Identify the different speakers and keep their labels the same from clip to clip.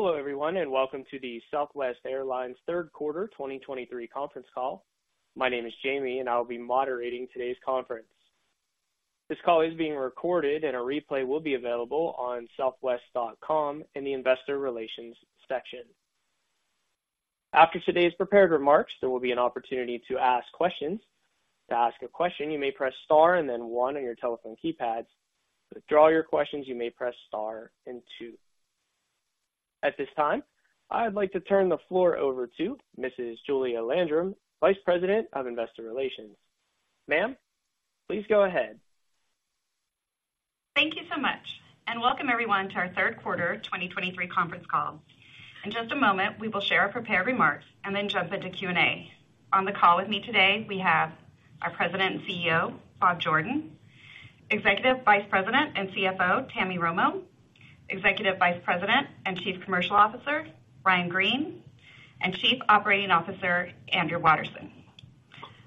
Speaker 1: Hello, everyone, and welcome to the Southwest Airlines third quarter 2023 conference call. My name is Jamie, and I will be moderating today's conference. This call is being recorded and a replay will be available on southwest.com in the Investor Relations section. After today's prepared remarks, there will be an opportunity to ask questions. To ask a question, you may press Star and then one on your telephone keypads. To withdraw your questions, you may press Star and two. At this time, I'd like to turn the floor over to Mrs. Julia Landrum, Vice President of Investor Relations. Ma'am, please go ahead.
Speaker 2: Thank you so much, and welcome everyone to our third quarter 2023 conference call. In just a moment, we will share our prepared remarks and then jump into Q&A. On the call with me today, we have our President and CEO, Bob Jordan, Executive Vice President and CFO, Tammy Romo, Executive Vice President and Chief Commercial Officer, Ryan Green, and Chief Operating Officer, Andrew Watterson.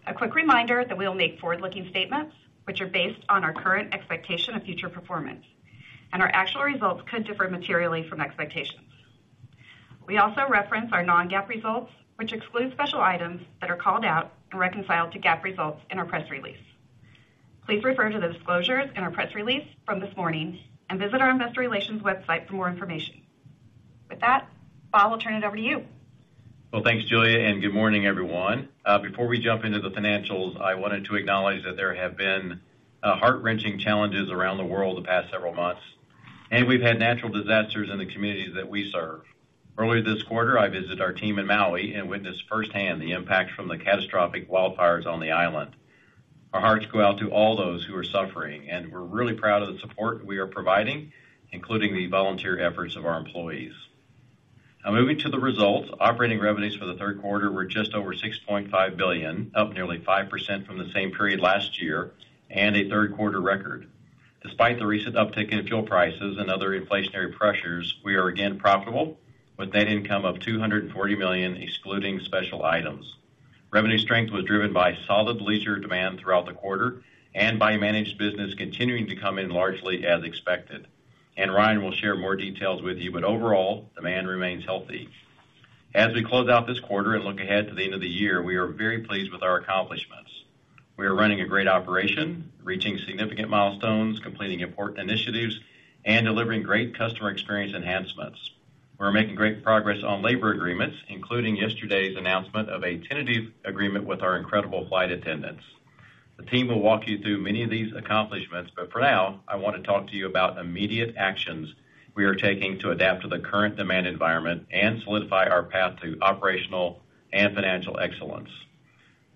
Speaker 2: A quick reminder that we'll make forward-looking statements which are based on our current expectation of future performance, and our actual results could differ materially from expectations. We also reference our non-GAAP results, which exclude special items that are called out and reconciled to GAAP results in our press release. Please refer to the disclosures in our press release from this morning and visit our investor relations website for more information. With that, Bob, I will turn it over to you.
Speaker 3: Well, thanks, Julia, and good morning, everyone. Before we jump into the financials, I wanted to acknowledge that there have been heart-wrenching challenges around the world the past several months, and we've had natural disasters in the communities that we serve. Earlier this quarter, I visited our team in Maui and witnessed firsthand the impact from the catastrophic wildfires on the island. Our hearts go out to all those who are suffering, and we're really proud of the support we are providing, including the volunteer efforts of our employees. Now, moving to the results. Operating revenues for the third quarter were just over $6.5 billion, up nearly 5% from the same period last year, and a third quarter record. Despite the recent uptick in fuel prices and other inflationary pressures, we are again profitable, with net income of $240 million, excluding special items. Revenue strength was driven by solid leisure demand throughout the quarter and by managed business continuing to come in largely as expected. And Ryan will share more details with you, but overall, demand remains healthy. As we close out this quarter and look ahead to the end of the year, we are very pleased with our accomplishments. We are running a great operation, reaching significant milestones, completing important initiatives, and delivering great customer experience enhancements. We're making great progress on labor agreements, including yesterday's announcement of a tentative agreement with our incredible flight attendants. The team will walk you through many of these accomplishments, but for now, I want to talk to you about immediate actions we are taking to adapt to the current demand environment and solidify our path to operational and financial excellence.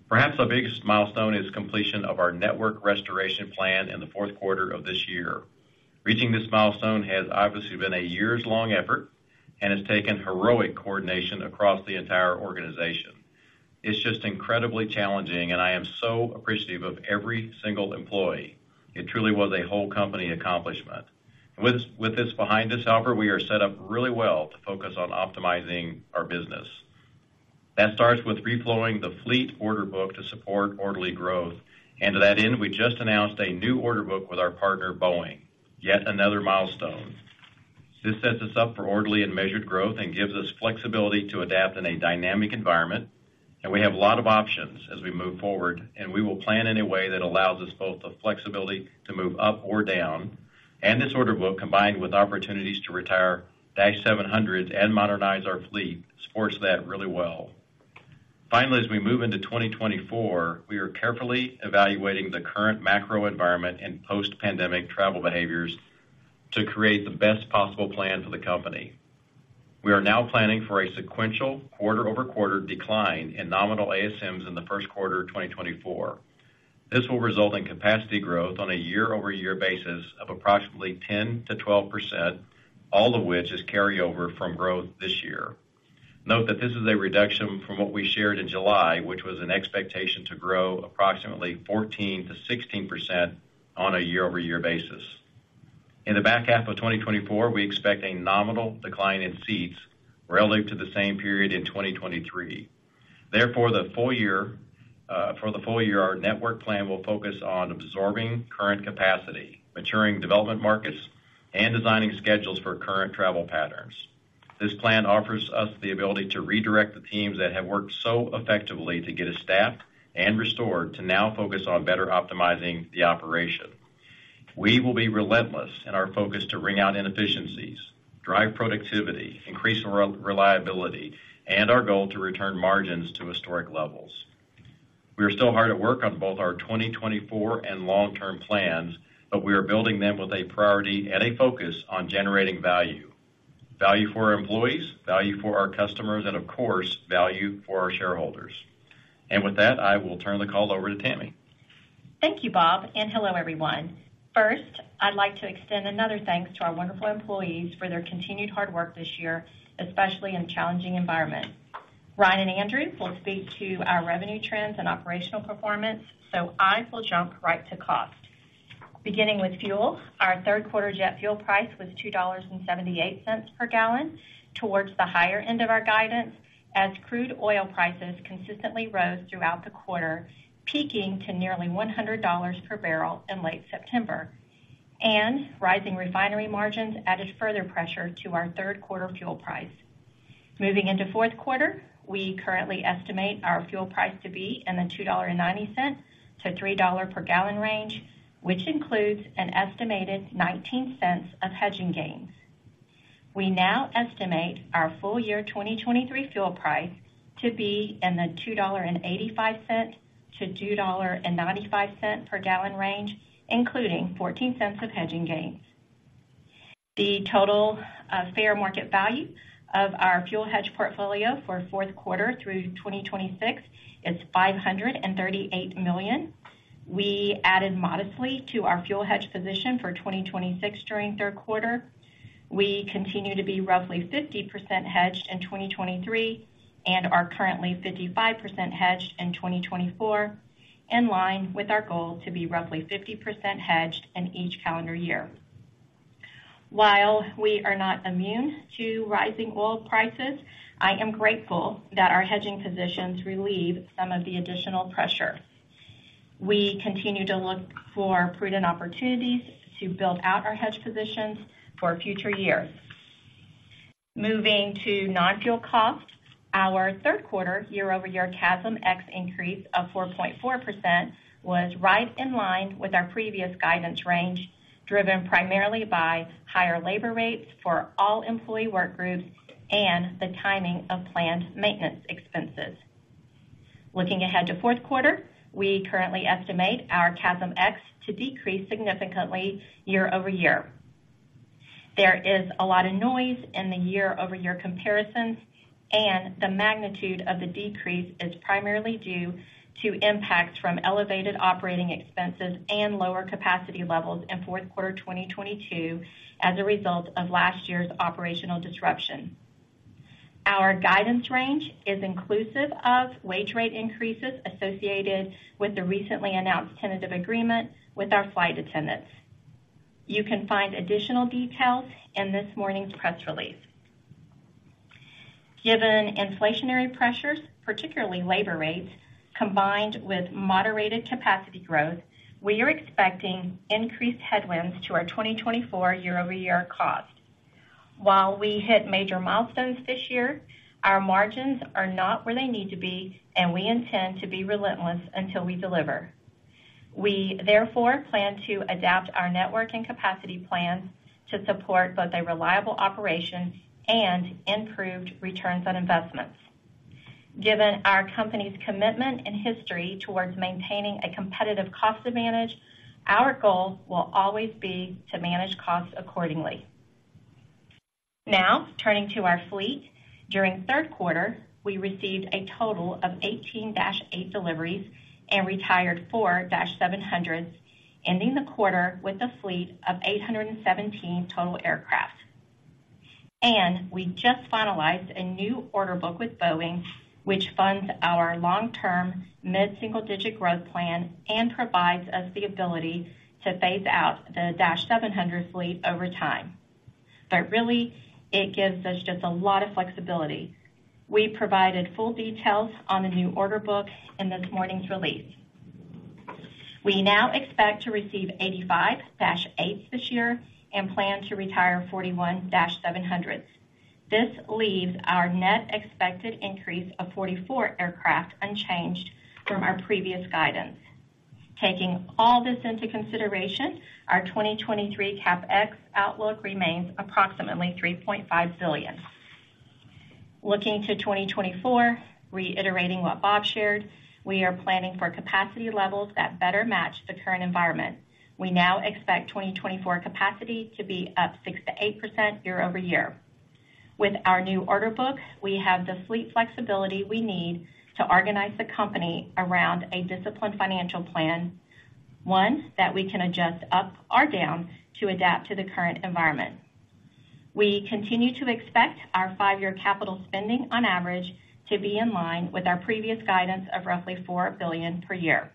Speaker 3: Perhaps our biggest milestone is completion of our network restoration plan in the fourth quarter of this year. Reaching this milestone has obviously been a years-long effort and has taken heroic coordination across the entire organization. It's just incredibly challenging, and I am so appreciative of every single employee. It truly was a whole company accomplishment. With this behind us, however, we are set up really well to focus on optimizing our business. That starts with reflowing the fleet order book to support orderly growth, and to that end, we just announced a new order book with our partner, Boeing. Yet another milestone. This sets us up for orderly and measured growth and gives us flexibility to adapt in a dynamic environment, and we have a lot of options as we move forward, and we will plan in a way that allows us both the flexibility to move up or down, and this order book, combined with opportunities to retire Dash 700s and modernize our fleet, supports that really well. Finally, as we move into 2024, we are carefully evaluating the current macro environment and post-pandemic travel behaviors to create the best possible plan for the company. We are now planning for a sequential quarter-over-quarter decline in nominal ASMS in the first quarter of 2024. This will result in capacity growth on a year-over-year basis of approximately 10%-12%, all of which is carryover from growth this year. Note that this is a reduction from what we shared in July, which was an expectation to grow approximately 14%-16% on a year-over-year basis. In the back half of 2024, we expect a nominal decline in seats relative to the same period in 2023. Therefore, the full year, for the full year, our network plan will focus on absorbing current capacity, maturing development markets, and designing schedules for current travel patterns. This plan offers us the ability to redirect the teams that have worked so effectively to get us staffed and restored, to now focus on better optimizing the operation. We will be relentless in our focus to wring out inefficiencies, drive productivity, increase reliability, and our goal to return margins to historic levels. We are still hard at work on both our 2024 and long-term plans, but we are building them with a priority and a focus on generating value. Value for our employees, value for our customers, and of course, value for our shareholders. With that, I will turn the call over to Tammy.
Speaker 4: Thank you, Bob, and hello, everyone. First, I'd like to extend another thanks to our wonderful employees for their continued hard work this year, especially in a challenging environment. Ryan and Andrew will speak to our revenue trends and operational performance, so I will jump right to cost. Beginning with fuel, our third quarter jet fuel price was $2.78 per gallon, towards the higher end of our guidance, as crude oil prices consistently rose throughout the quarter, peaking to nearly $100 per barrel in late September. Rising refinery margins added further pressure to our third quarter fuel price. Moving into fourth quarter, we currently estimate our fuel price to be in the $2.90-$3 per gallon range, which includes an estimated $0.19 of hedging gains. We now estimate our full year 2023 fuel price to be in the $2.85-$2.95 per gallon range, including 14 cents of hedging gains. The total, fair market value of our fuel hedge portfolio for fourth quarter through 2026 is $538 million. We added modestly to our fuel hedge position for 2026 during third quarter. We continue to be roughly 50% hedged in 2023 and are currently 55% hedged in 2024, in line with our goal to be roughly 50% hedged in each calendar year. While we are not immune to rising oil prices, I am grateful that our hedging positions relieve some of the additional pressure. We continue to look for prudent opportunities to build out our hedge positions for future years. Moving to non-fuel costs, our third quarter year-over-year CASM-ex increase of 4.4% was right in line with our previous guidance range, driven primarily by higher labor rates for all employee work groups and the timing of planned maintenance expenses. Looking ahead to fourth quarter, we currently estimate our CASM-ex to decrease significantly year-over-year. There is a lot of noise in the year-over-year comparisons, and the magnitude of the decrease is primarily due to impacts from elevated operating expenses and lower capacity levels in fourth quarter 2022 as a result of last year's operational disruption. Our guidance range is inclusive of wage rate increases associated with the recently announced tentative agreement with our flight attendants. You can find additional details in this morning's press release. Given inflationary pressures, particularly labor rates, combined with moderated capacity growth, we are expecting increased headwinds to our 2024 year-over-year cost. While we hit major milestones this year, our margins are not where they need to be, and we intend to be relentless until we deliver. We therefore plan to adapt our network and capacity plans to support both a reliable operation and improved returns on investments. Given our company's commitment and history towards maintaining a competitive cost advantage, our goal will always be to manage costs accordingly. Now, turning to our fleet. During third quarter, we received a total of 18 Dash eight deliveries and retired 4 Dash seven hundreds, ending the quarter with a fleet of 817 total aircraft. We just finalized a new order book with Boeing, which funds our long-term mid-single-digit growth plan and provides us the ability to phase out the Dash seven hundred fleet over time. Really, it gives us just a lot of flexibility. We provided full details on the new order book in this morning's release. We now expect to receive 85 Dash eights this year and plan to retire 41 Dash seven hundreds. This leaves our net expected increase of 44 aircraft unchanged from our previous guidance. Taking all this into consideration, our 2023 CapEx outlook remains approximately $3.5 billion. Looking to 2024, reiterating what Bob shared, we are planning for capacity levels that better match the current environment. We now expect 2024 capacity to be up 6%-8% year-over-year. With our new order book, we have the fleet flexibility we need to organize the company around a disciplined financial plan, one that we can adjust up or down to adapt to the current environment. We continue to expect our 5-year capital spending on average to be in line with our previous guidance of roughly $4 billion per year.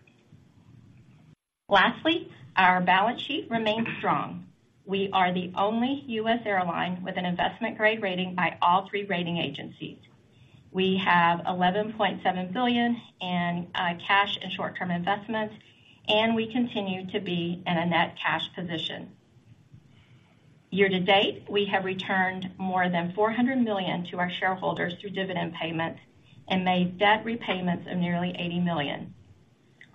Speaker 4: Lastly, our balance sheet remains strong. We are the only U.S. airline with an investment-grade rating by all three rating agencies. We have $11.7 billion in cash and short-term investments, and we continue to be in a net cash position. Year-to-date, we have returned more than $400 million to our shareholders through dividend payments and made debt repayments of nearly $80 million.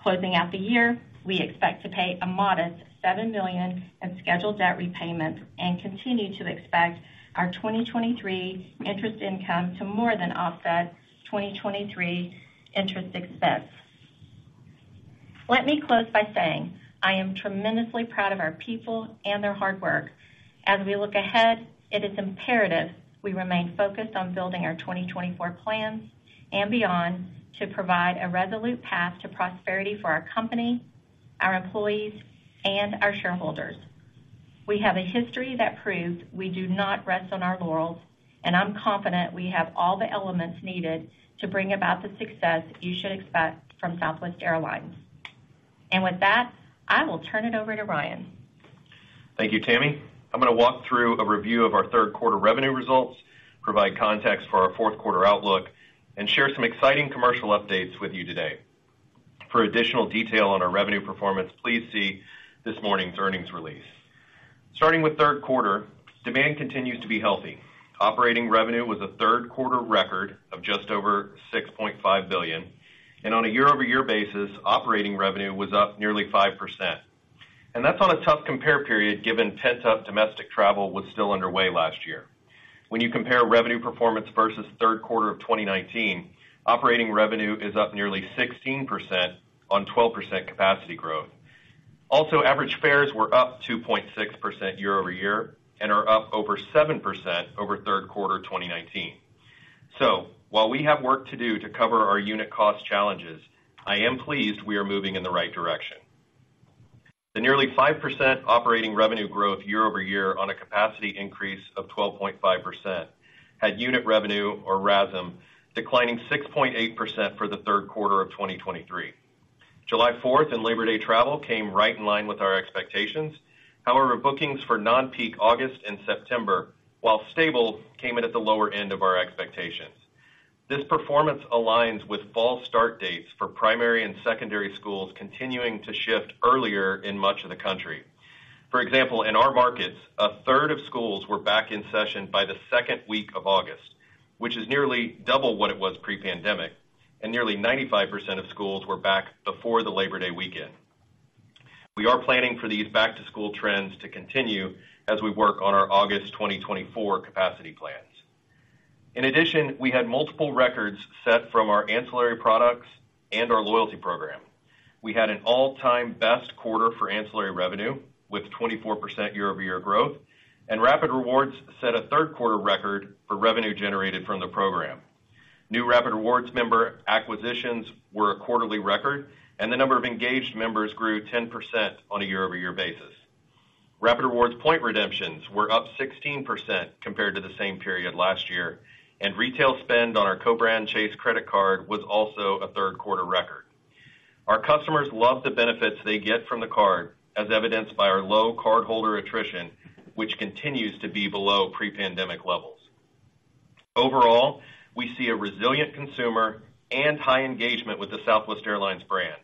Speaker 4: Closing out the year, we expect to pay a modest $7 million in scheduled debt repayments and continue to expect our 2023 interest income to more than offset 2023 interest expense. Let me close by saying, I am tremendously proud of our people and their hard work. As we look ahead, it is imperative we remain focused on building our 2024 plans and beyond to provide a resolute path to prosperity for our company, our employees, and our shareholders. We have a history that proves we do not rest on our laurels, and I'm confident we have all the elements needed to bring about the success you should expect from Southwest Airlines. With that, I will turn it over to Ryan.
Speaker 5: Thank you, Tammy. I'm gonna walk through a review of our third quarter revenue results, provide context for our fourth quarter outlook, and share some exciting commercial updates with you today. For additional detail on our revenue performance, please see this morning's earnings release. Starting with third quarter, demand continues to be healthy. Operating revenue was a third quarter record of just over $6.5 billion, and on a year-over-year basis, operating revenue was up nearly 5%. And that's on a tough compare period, given pent-up domestic travel was still underway last year. When you compare revenue performance versus third quarter of 2019, operating revenue is up nearly 16% on 12% capacity growth. Also, average fares were up 2.6% year over year and are up over 7% over third quarter 2019. So while we have work to do to cover our unit cost challenges, I am pleased we are moving in the right direction. The nearly 5% operating revenue growth year-over-year on a capacity increase of 12.5%, had unit revenue or RASM declining 6.8% for the third quarter of 2023. July 4th and Labor Day travel came right in line with our expectations. However, bookings for non-peak August and September, while stable, came in at the lower end of our expectations. This performance aligns with fall start dates for primary and secondary schools, continuing to shift earlier in much of the country. For example, in our markets, a third of schools were back in session by the second week of August, which is nearly double what it was pre-pandemic, and nearly 95% of schools were back before the Labor Day weekend. We are planning for these back-to-school trends to continue as we work on our August 2024 capacity plans. In addition, we had multiple records set from our ancillary products and our loyalty program. We had an all-time best quarter for ancillary revenue, with 24% year-over-year growth, and Rapid Rewards set a third quarter record for revenue generated from the program. New Rapid Rewards member acquisitions were a quarterly record, and the number of engaged members grew 10% on a year-over-year basis. Rapid Rewards point redemptions were up 16% compared to the same period last year, and retail spend on our co-brand Chase credit card was also a third quarter record. Our customers love the benefits they get from the card, as evidenced by our low cardholder attrition, which continues to be below pre-pandemic levels. Overall, we see a resilient consumer and high engagement with the Southwest Airlines brand.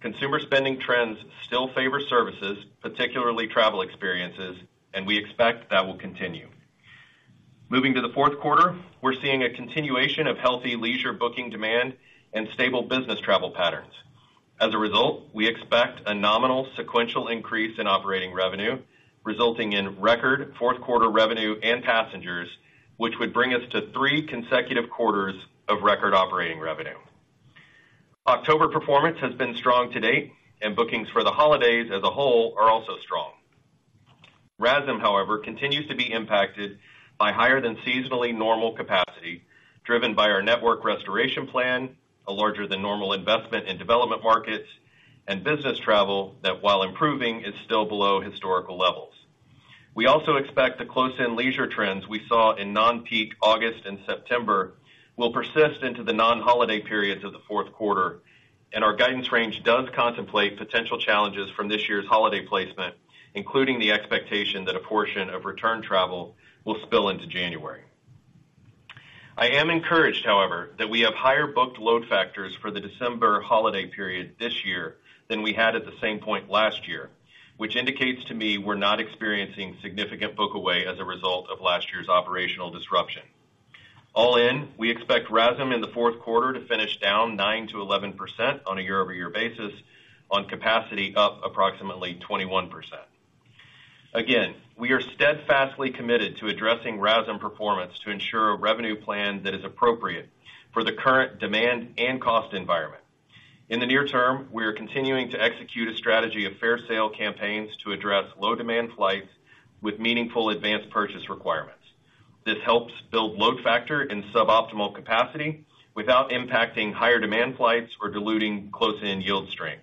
Speaker 5: Consumer spending trends still favor services, particularly travel experiences, and we expect that will continue. Moving to the fourth quarter, we're seeing a continuation of healthy leisure booking demand and stable business travel patterns. As a result, we expect a nominal sequential increase in operating revenue, resulting in record fourth quarter revenue and passengers, which would bring us to three consecutive quarters of record operating revenue. October performance has been strong to date, and bookings for the holidays as a whole are also strong. RASM, however, continues to be impacted by higher than seasonally normal capacity, driven by our network restoration plan, a larger than normal investment in development markets and business travel, that, while improving, is still below historical levels. We also expect the close-in leisure trends we saw in non-peak August and September will persist into the non-holiday periods of the fourth quarter, and our guidance range does contemplate potential challenges from this year's holiday placement, including the expectation that a portion of return travel will spill into January. I am encouraged, however, that we have higher booked load factors for the December holiday period this year than we had at the same point last year, which indicates to me we're not experiencing significant book away as a result of last year's operational disruption. All in, we expect RASM in the fourth quarter to finish down 9%-11% on a year-over-year basis, on capacity up approximately 21%. Again, we are steadfastly committed to addressing RASM performance to ensure a revenue plan that is appropriate for the current demand and cost environment. In the near term, we are continuing to execute a strategy of fair sale campaigns to address low demand flights with meaningful advanced purchase requirements. This helps build load factor in suboptimal capacity without impacting higher demand flights or diluting close-in yield strength.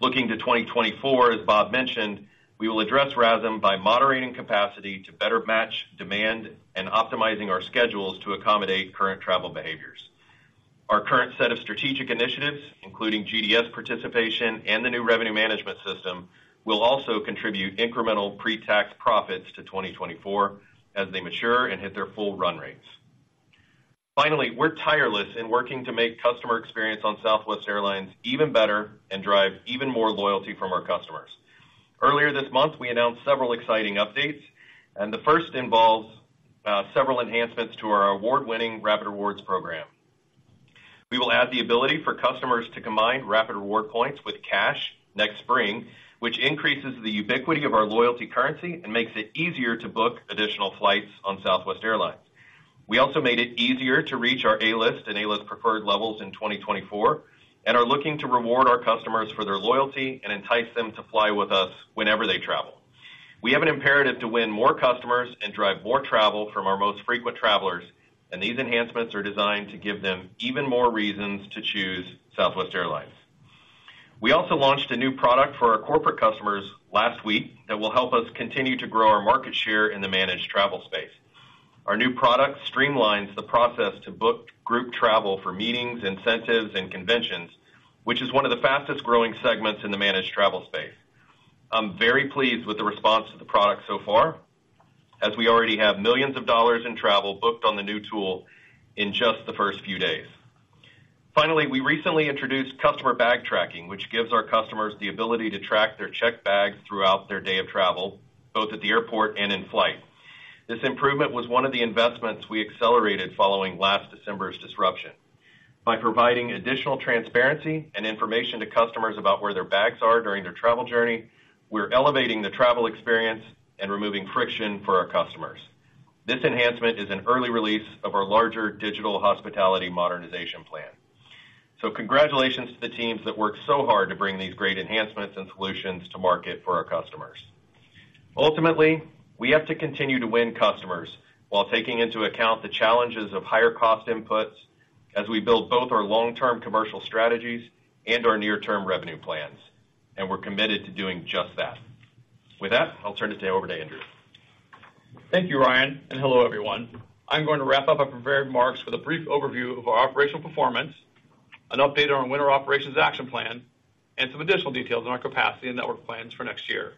Speaker 5: Looking to 2024, as Bob mentioned, we will address RASM by moderating capacity to better match demand and optimizing our schedules to accommodate current travel behaviors. Our current set of strategic initiatives, including GDS participation and the new revenue management system, will also contribute incremental pre-tax profits to 2024 as they mature and hit their full run rates. Finally, we're tireless in working to make customer experience on Southwest Airlines even better and drive even more loyalty from our customers. Earlier this month, we announced several exciting updates, and the first involves several enhancements to our award-winning Rapid Rewards program. We will add the ability for customers to combine Rapid Rewards points with cash next spring, which increases the ubiquity of our loyalty currency and makes it easier to book additional flights on Southwest Airlines. We also made it easier to reach our A-List and A-List Preferred levels in 2024, and are looking to reward our customers for their loyalty and entice them to fly with us whenever they travel. We have an imperative to win more customers and drive more travel from our most frequent travelers, and these enhancements are designed to give them even more reasons to choose Southwest Airlines. We also launched a new product for our corporate customers last week that will help us continue to grow our market share in the managed travel space. Our new product streamlines the process to book group travel for meetings, incentives, and conventions, which is one of the fastest growing segments in the managed travel space. I'm very pleased with the response to the product so far as we already have millions of dollars in travel booked on the new tool in just the first few days. Finally, we recently introduced customer bag tracking, which gives our customers the ability to track their checked bags throughout their day of travel, both at the airport and in flight. This improvement was one of the investments we accelerated following last December's disruption. By providing additional transparency and information to customers about where their bags are during their travel journey, we're elevating the travel experience and removing friction for our customers. This enhancement is an early release of our larger digital hospitality modernization plan. Congratulations to the teams that worked so hard to bring these great enhancements and solutions to market for our customers. Ultimately, we have to continue to win customers while taking into account the challenges of higher cost inputs as we build both our long-term commercial strategies and our near-term revenue plans, and we're committed to doing just that. With that, I'll turn it over to Andrew.
Speaker 6: Thank you, Ryan, and hello, everyone. I'm going to wrap up our prepared remarks with a brief overview of our operational performance, an update on winter operations action plan, and some additional details on our capacity and network plans for next year.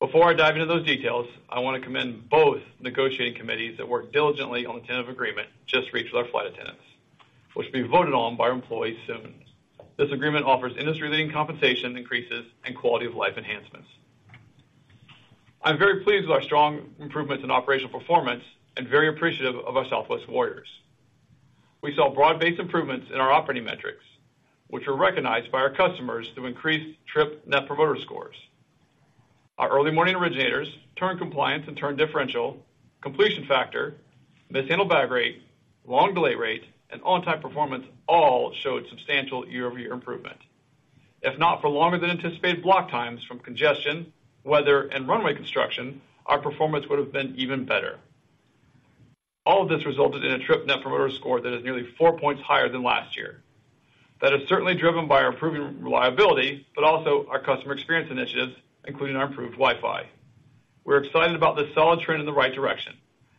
Speaker 6: Before I dive into those details, I want to commend both negotiating committees that worked diligently on the tentative agreement just reached with our flight attendants, which will be voted on by our employees soon. This agreement offers industry-leading compensation increases and quality of life enhancements. I'm very pleased with our strong improvements in operational performance and very appreciative of our Southwest warriors. We saw broad-based improvements in our operating metrics, which were recognized by our customers through increased trip Net Promoter Scores. Our early morning originators, turn compliance and turn differential, completion factor, mishandled bag rate, long delay rate, and on-time performance all showed substantial year-over-year improvement. If not for longer than anticipated block times from congestion, weather, and runway construction, our performance would have been even better. All of this resulted in a trip Net Promoter Score that is nearly four points higher than last year. That is certainly driven by our improving reliability, but also our customer experience initiatives, including our improved Wi-Fi. We're excited about this solid trend in the right direction.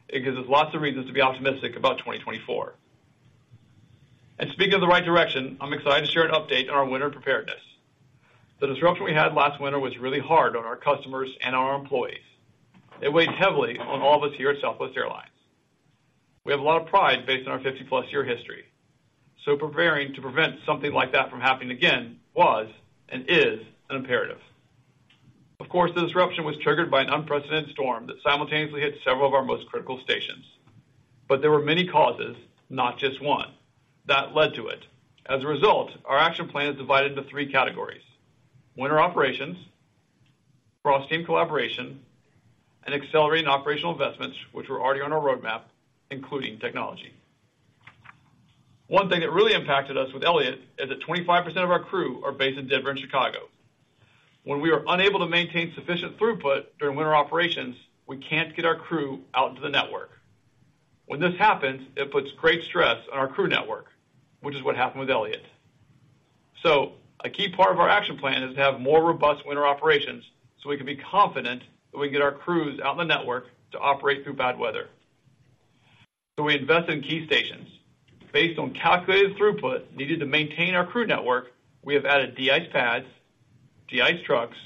Speaker 6: It gives us lots of reasons to be optimistic about 2024. And speaking of the right direction, I'm excited to share an update on our winter preparedness. The disruption we had last winter was really hard on our customers and our employees. It weighed heavily on all of us here at Southwest Airlines. We have a lot of pride based on our 50+ year history, so preparing to prevent something like that from happening again was and is an imperative. Of course, the disruption was triggered by an unprecedented storm that simultaneously hit several of our most critical stations. But there were many causes, not just one, that led to it. As a result, our action plan is divided into three categories: winter operations, cross-team collaboration, and accelerating operational investments, which were already on our roadmap, including technology. One thing that really impacted us with Elliott is that 25% of our crew are based in Denver and Chicago. When we are unable to maintain sufficient throughput during winter operations, we can't get our crew out into the network. When this happens, it puts great stress on our crew network, which is what happened with Elliott. So a key part of our action plan is to have more robust winter operations, so we can be confident that we get our crews out in the network to operate through bad weather. So we invest in key stations. Based on calculated throughput needed to maintain our crew network, we have added de-ice pads, de-ice trucks,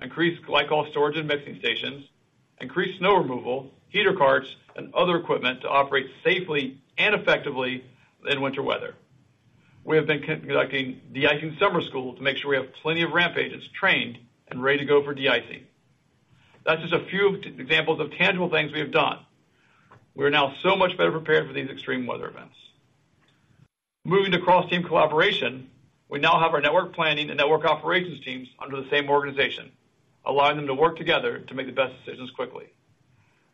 Speaker 6: increased glycol storage and mixing stations, increased snow removal, heater carts, and other equipment to operate safely and effectively in winter weather. We have been conducting de-icing summer school to make sure we have plenty of ramp agents trained and ready to go for de-icing. That's just a few examples of tangible things we have done. We are now so much better prepared for these extreme weather events. Moving to cross-team collaboration, we now have our network planning and network operations teams under the same organization, allowing them to work together to make the best decisions quickly.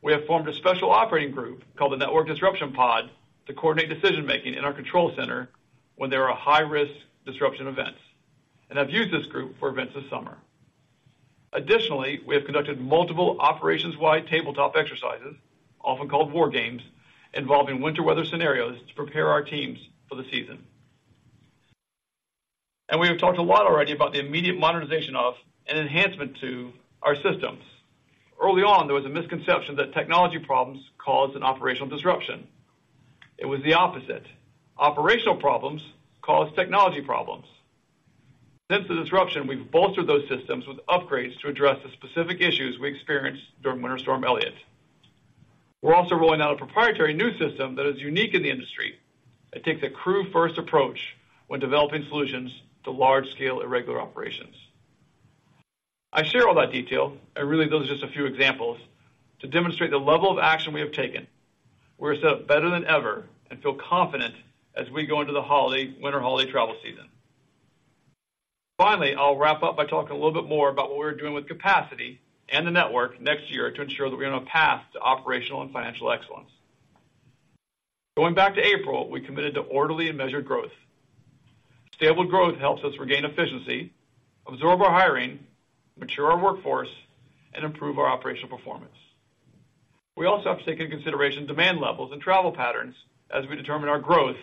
Speaker 6: We have formed a special operating group called the Network Disruption Pod, to coordinate decision-making in our control center when there are high-risk disruption events, and have used this group for events this summer. Additionally, we have conducted multiple operations-wide tabletop exercises, often called war games, involving winter weather scenarios to prepare our teams for the season. We have talked a lot already about the immediate modernization of and enhancement to our systems. Early on, there was a misconception that technology problems caused an operational disruption. It was the opposite. Operational problems caused technology problems. Since the disruption, we've bolstered those systems with upgrades to address the specific issues we experienced during Winter Storm Elliott. We're also rolling out a proprietary new system that is unique in the industry. It takes a crew-first approach when developing solutions to large-scale irregular operations. I share all that detail, and really, those are just a few examples, to demonstrate the level of action we have taken. We're set up better than ever and feel confident as we go into the holiday- winter holiday travel season. Finally, I'll wrap up by talking a little bit more about what we're doing with capacity and the network next year to ensure that we're on a path to operational and financial excellence. Going back to April, we committed to orderly and measured growth. Stable growth helps us regain efficiency, absorb our hiring, mature our workforce, and improve our operational performance. We also have to take into consideration demand levels and travel patterns as we determine our growth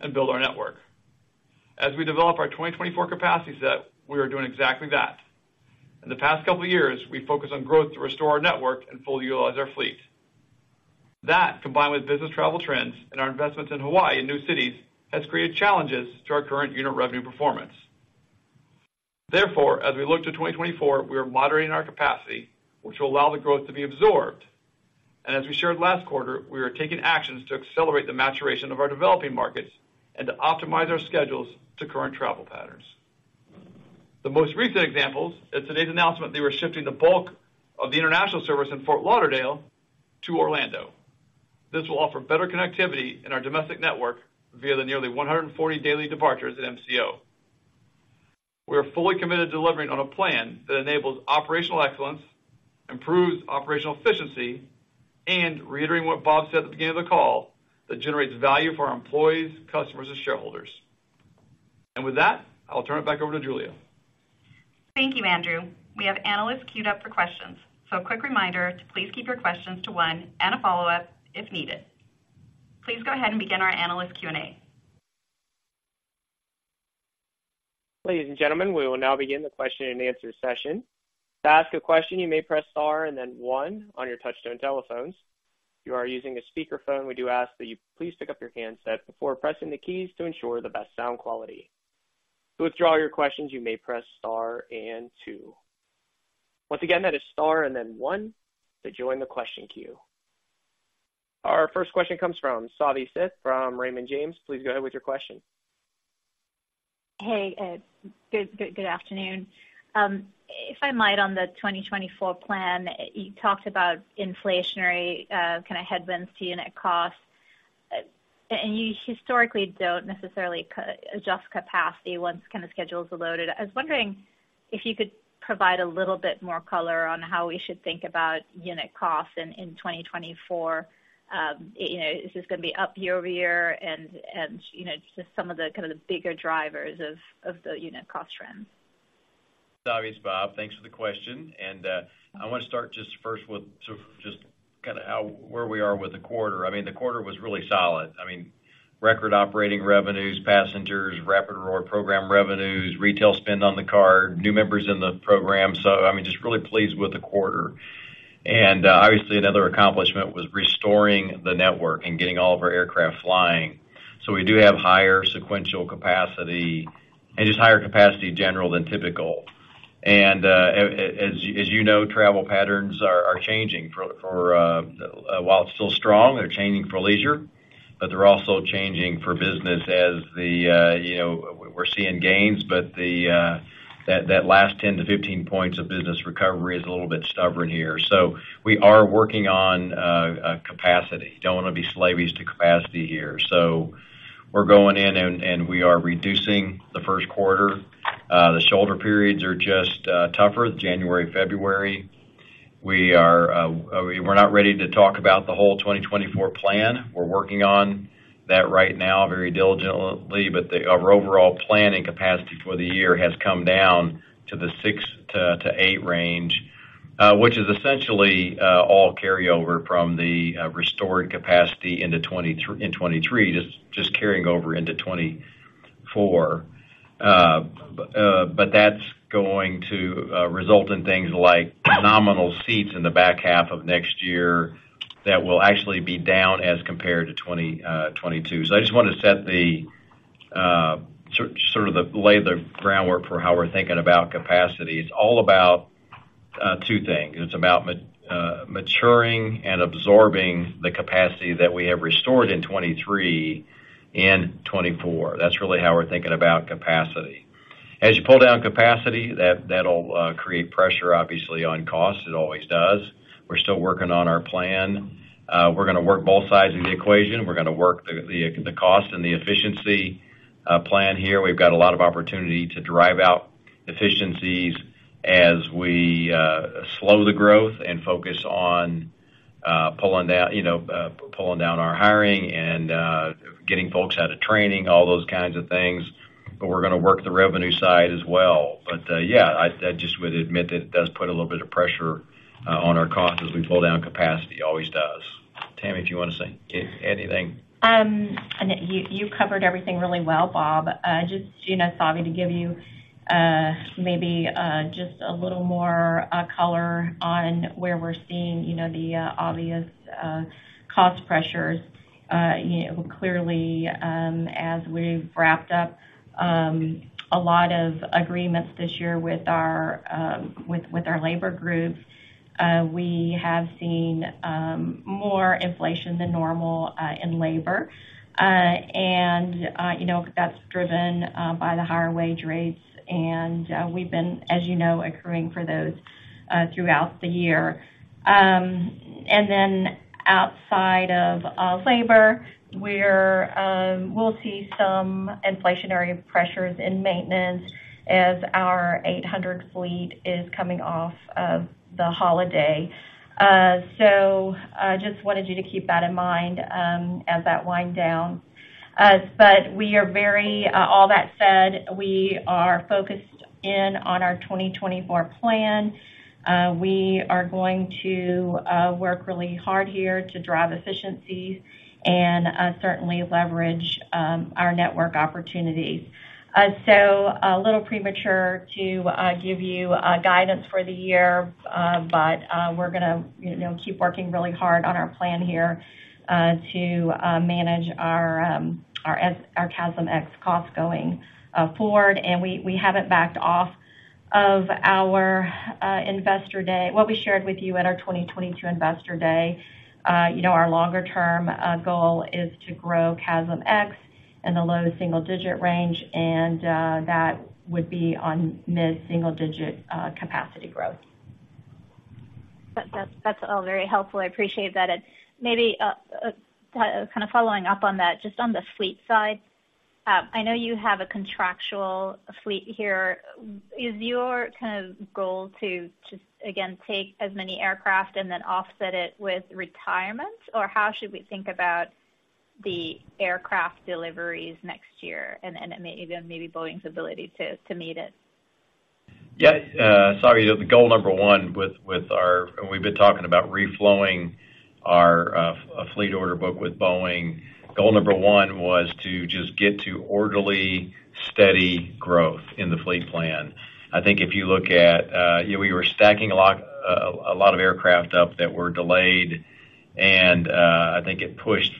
Speaker 6: and build our network. As we develop our 2024 capacity set, we are doing exactly that. In the past couple of years, we focused on growth to restore our network and fully utilize our fleet. That, combined with business travel trends and our investments in Hawaii and new cities, has created challenges to our current unit revenue performance. Therefore, as we look to 2024, we are moderating our capacity, which will allow the growth to be absorbed. And as we shared last quarter, we are taking actions to accelerate the maturation of our developing markets and to optimize our schedules to current travel patterns. The most recent examples, at today's announcement, they were shifting the bulk of the international service in Fort Lauderdale to Orlando. This will offer better connectivity in our domestic network via the nearly 140 daily departures at MCO. We are fully committed to delivering on a plan that enables operational excellence, improves operational efficiency, and reiterating what Bob said at the beginning of the call, that generates value for our employees, customers, and shareholders. With that, I'll turn it back over to Julia.
Speaker 2: Thank you, Andrew. We have analysts queued up for questions. A quick reminder to please keep your questions to one and a follow-up if needed. Please go ahead and begin our analyst Q&A.
Speaker 1: Ladies and gentlemen, we will now begin the question-and-answer session. To ask a question, you may press Star and then one on your touchtone telephones. If you are using a speakerphone, we do ask that you please pick up your handset before pressing the keys to ensure the best sound quality. To withdraw your questions, you may press Star and two. Once again, that is Star and then one to join the question queue. Our first question comes from Savi Syth from Raymond James. Please go ahead with your question.
Speaker 7: Hey, good afternoon. If I might, on the 2024 plan, you talked about inflationary, kinda headwinds to unit costs, and you historically don't necessarily adjust capacity once kind of schedules are loaded. I was wondering if you could provide a little bit more color on how we should think about unit costs in 2024. You know, is this gonna be up year over year? And you know, just some of the kind of the bigger drivers of the unit cost trends.
Speaker 3: Savi, it's Bob. Thanks for the question. I wanna start just first with sort of just kinda where we are with the quarter. I mean, the quarter was really solid. I mean, record operating revenues, passengers, Rapid Rewards program revenues, retail spend on the card, new members in the program. I mean, just really pleased with the quarter. Obviously, another accomplishment was restoring the network and getting all of our aircraft flying. So we do have higher sequential capacity and just higher capacity in general than typical. And, as you know, travel patterns are changing while it's still strong, they're changing for leisure, but they're also changing for business as you know, we're seeing gains, but that last 10-15 points of business recovery is a little bit stubborn here. We are working on a capacity. Don't want to be slavish to capacity here. We are going in and we are reducing the first quarter. The shoulder periods are just tougher, January, February. We are not ready to talk about the whole 2024 plan. We're working on that right now very diligently, but our overall planning capacity for the year has come down to the 6-8 range, which is essentially all carryover from the restored capacity into 2023, just carrying over into 2024. That's going to result in things like nominal seats in the back half of next year that will actually be down as compared to 2022. I just wanted to set the sort of lay the groundwork for how we're thinking about capacity. It's all about two things. It's about maturing and absorbing the capacity that we have restored in 2023 and 2024. That's really how we're thinking about capacity. As you pull down capacity, that'll create pressure, obviously, on cost. It always does. We're still working on our plan. We're gonna work both sides of the equation. We're gonna work the cost and the efficiency plan here. We've got a lot of opportunity to drive out efficiencies as we slow the growth and focus on pulling down, you know, pulling down our hiring and getting folks out of training, all those kinds of things, but we're gonna work the revenue side as well. But, yeah, I just would admit that it does put a little bit of pressure on our costs as we pull down capacity. Always does. Tammy, if you want to say anything.
Speaker 4: And you covered everything really well, Bob. Just, you know, Savi, to give you maybe just a little more color on where we're seeing, you know, the obvious cost pressures. You know, clearly, as we've wrapped up a lot of agreements this year with our labor groups, we have seen more inflation than normal in labor. And you know, that's driven by the higher wage rates, and we've been, as you know, accruing for those throughout the year. And then outside of labor, we're, we'll see some inflationary pressures in maintenance as our 800 fleet is coming off of the holiday. I just wanted you to keep that in mind, as that winds down. We are very, all that said, we are focused in on our 2024 plan. We are going to work really hard here to drive efficiencies and certainly leverage our network opportunities. A little premature to give you guidance for the year, but we're gonna, you know, keep working really hard on our plan here to manage our CASM-ex costs going forward. And we, we haven't backed off of our Investor Day, what we shared with you at our 2022 Investor Day. You know, our longer-term goal is to grow CASM-ex.n the low single-digit range, and that would be on mid-single-digit capacity growth.
Speaker 7: That's all very helpful. I appreciate that. And maybe kind of following up on that, just on the fleet side, I know you have a contractual fleet here. Is your kind of goal to just, again, take as many aircraft and then offset it with retirements? Or how should we think about the aircraft deliveries next year and then maybe Boeing's ability to meet it?
Speaker 3: Yeah, sorry, the goal number one with our and we've been talking about reflowing our fleet order book with Boeing. Goal number one was to just get to orderly, steady growth in the fleet plan. I think if you look at, you know, we were stacking a lot, a lot of aircraft up that were delayed, and, I think it pushed,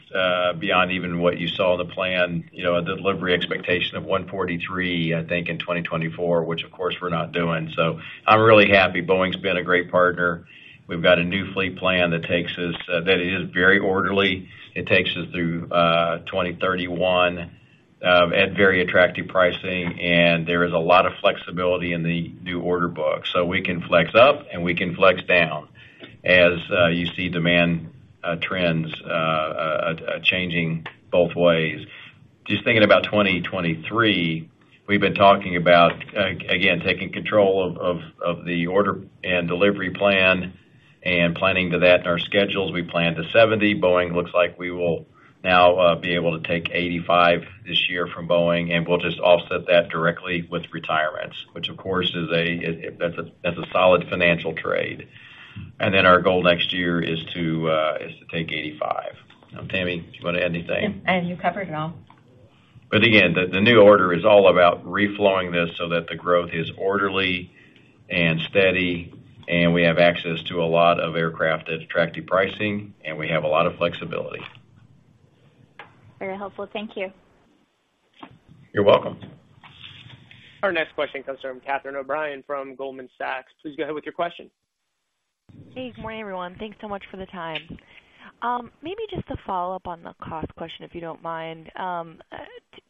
Speaker 3: beyond even what you saw the plan, you know, a delivery expectation of 143, I think, in 2024, which, of course, we're not doing. So I'm really happy. Boeing's been a great partner. We've got a new fleet plan that takes us, that is very orderly. It takes us through, 2031, at very attractive pricing, and there is a lot of flexibility in the new order book. We can flex up and we can flex down as you see demand trends changing both ways. Just thinking about 2023, we've been talking about, again, taking control of the order and delivery plan and planning to that in our schedules. We plan to 70. Boeing looks like we will now be able to take 85 this year from Boeing, and we'll just offset that directly with retirements, which, of course, is a solid financial trade. Then our goal next year is to take 85. Now, Tammy, do you want to add anything?
Speaker 4: Yeah, you covered it all.
Speaker 3: But again, the new order is all about reflowing this so that the growth is orderly and steady, and we have access to a lot of aircraft at attractive pricing, and we have a lot of flexibility.
Speaker 7: Very helpful. Thank you.
Speaker 3: You're welcome.
Speaker 1: Our next question comes from Catherine O'Brien from Goldman Sachs. Please go ahead with your question.
Speaker 8: Hey, good morning, everyone. Thanks so much for the time. Maybe just to follow up on the cost question, if you don't mind.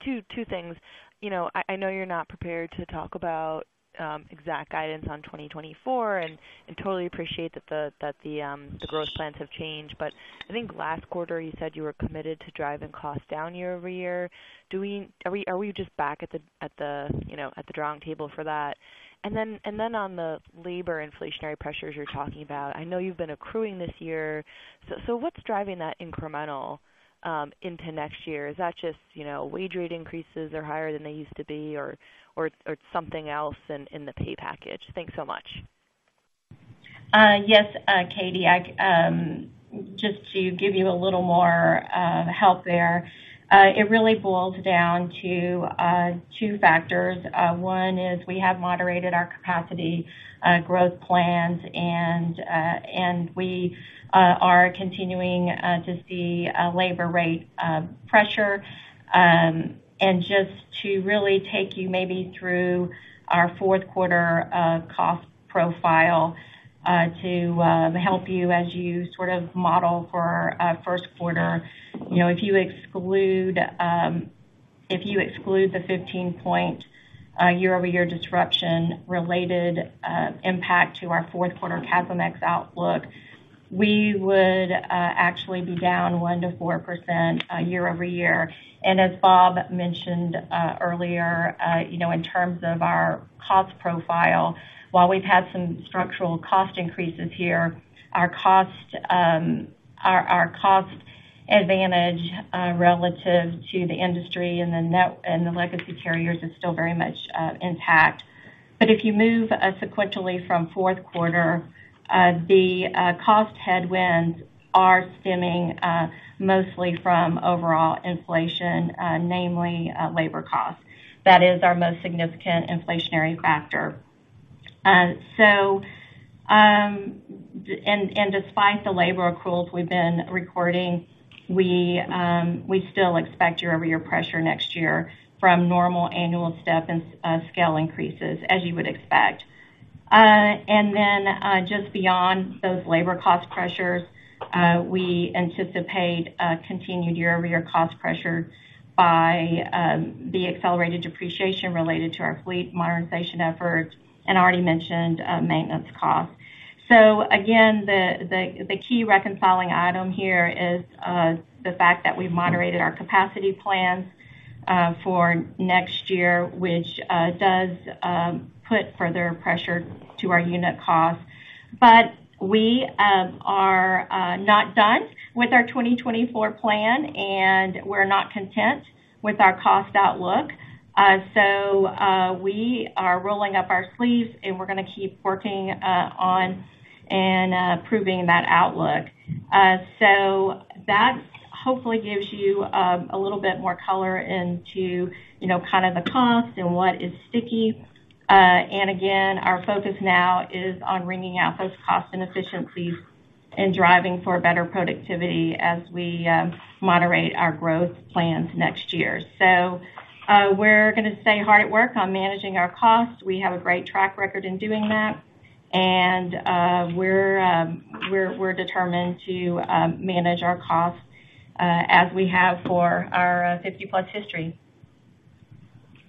Speaker 8: Two things: You know, I know you're not prepared to talk about exact guidance on 2024, and totally appreciate that the growth plans have changed. But I think last quarter, you said you were committed to driving costs down year-over-year. Are we just back at the drawing table for that? And then on the labor inflationary pressures you're talking about, I know you've been accruing this year. So what's driving that incremental into next year? Is that just, you know, wage rate increases are higher than they used to be or something else in the pay package? Thanks so much.
Speaker 4: Yes, Katie. I just to give you a little more help there, it really boils down to two factors. One is we have moderated our capacity growth plans, and we are continuing to see a labor rate pressure. And just to really take you maybe through our fourth quarter cost profile to help you as you sort of model for first quarter. You know, if you exclude the 15-point year-over-year disruption-related impact to our fourth quarter CASM-ex outlook, we would actually be down 1%-4% year-over-year. As Bob mentioned earlier, you know, in terms of our cost profile, while we've had some structural cost increases here, our cost advantage relative to the industry and the legacy carriers is still very much intact. If you move sequentially from fourth quarter, the cost headwinds are stemming mostly from overall inflation, namely labor costs. That is our most significant inflationary factor. And despite the labor accruals we've been recording, we still expect year-over-year pressure next year from normal annual step and scale increases, as you would expect. And then, just beyond those labor cost pressures, we anticipate continued year-over-year cost pressure by the accelerated depreciation related to our fleet modernization efforts and already mentioned maintenance costs. So again, the key reconciling item here is the fact that we moderated our capacity plans for next year, which does put further pressure to our unit costs. But we are not done with our 2024 plan, and we're not content with our cost outlook. So, we are rolling up our sleeves, and we're gonna keep working on and improving that outlook. So that hopefully gives you a little bit more color into, you know, kind of the cost and what is sticky. And again, our focus now is on wringing out those cost inefficiencies and driving for better productivity as we moderate our growth plans next year. So, we're gonna stay hard at work on managing our costs. We have a great track record in doing that.and we're determined to manage our costs as we have for our 50+ history.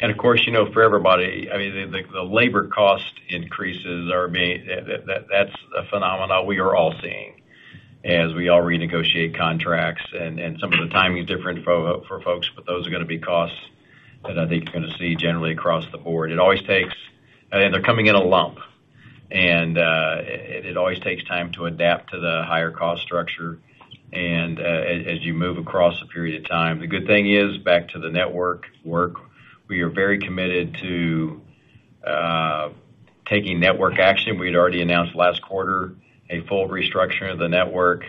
Speaker 3: Of course, you know, for everybody, I mean, the labor cost increases are ma- that, that's a phenomena we are all seeing as we all renegotiate contracts, and some of the timing is different for folks, but those are gonna be costs that I think you're gonna see generally across the board. It always takes-- And they're coming in a lump, and it always takes time to adapt to the higher cost structure, as you move across a period of time. The good thing is, back to the network work, we are very committed to taking network action. We'd already announced last quarter a full restructuring of the network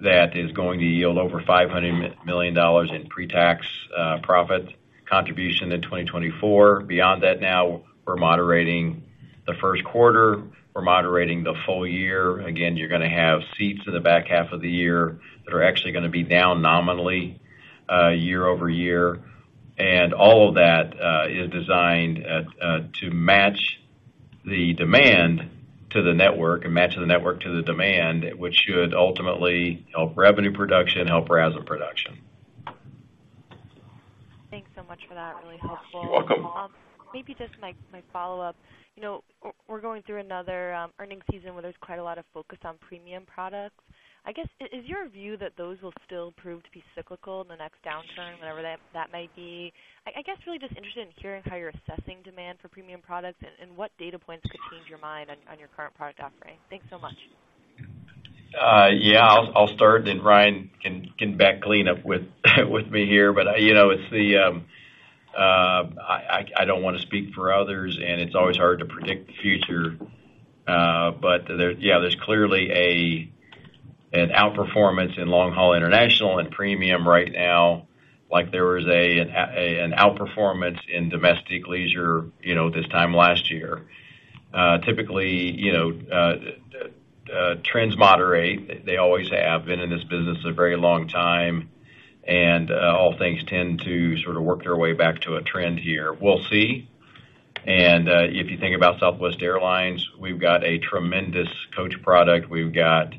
Speaker 3: that is going to yield over $500 million in pre-tax profit contribution in 2024. Beyond that, now, we're moderating the first quarter, we're moderating the full year. Again, you're gonna have seats in the back half of the year that are actually gonna be down nominally, year-over-year. And all of that is designed to match the demand to the network and match the network to the demand, which should ultimately help revenue production, help RASM production.
Speaker 8: Thanks so much for that. Really helpful.
Speaker 3: You're welcome.
Speaker 8: Maybe just my, my follow-up: You know, we're, we're going through another earnings season where there's quite a lot of focus on premium products. I guess, is your view that those will still prove to be cyclical in the next downturn, whatever that, that may be? I, I guess, really just interested in hearing how you're assessing demand for premium products and, and what data points could change your mind on, on your current product offering. Thanks so much.
Speaker 3: Yeah, I'll start, and Ryan can back clean up with me here. You know, it's the, I don't wanna speak for others, and it's always hard to predict the future. There's clearly an outperformance in long-haul international and premium right now, like there was an outperformance in domestic leisure, you know, this time last year. Typically, you know, trends moderate. They always have. Been in this business a very long time, and all things tend to sort of work their way back to a trend here. We'll see. If you think about Southwest Airlines, we've got a tremendous coach product. We've got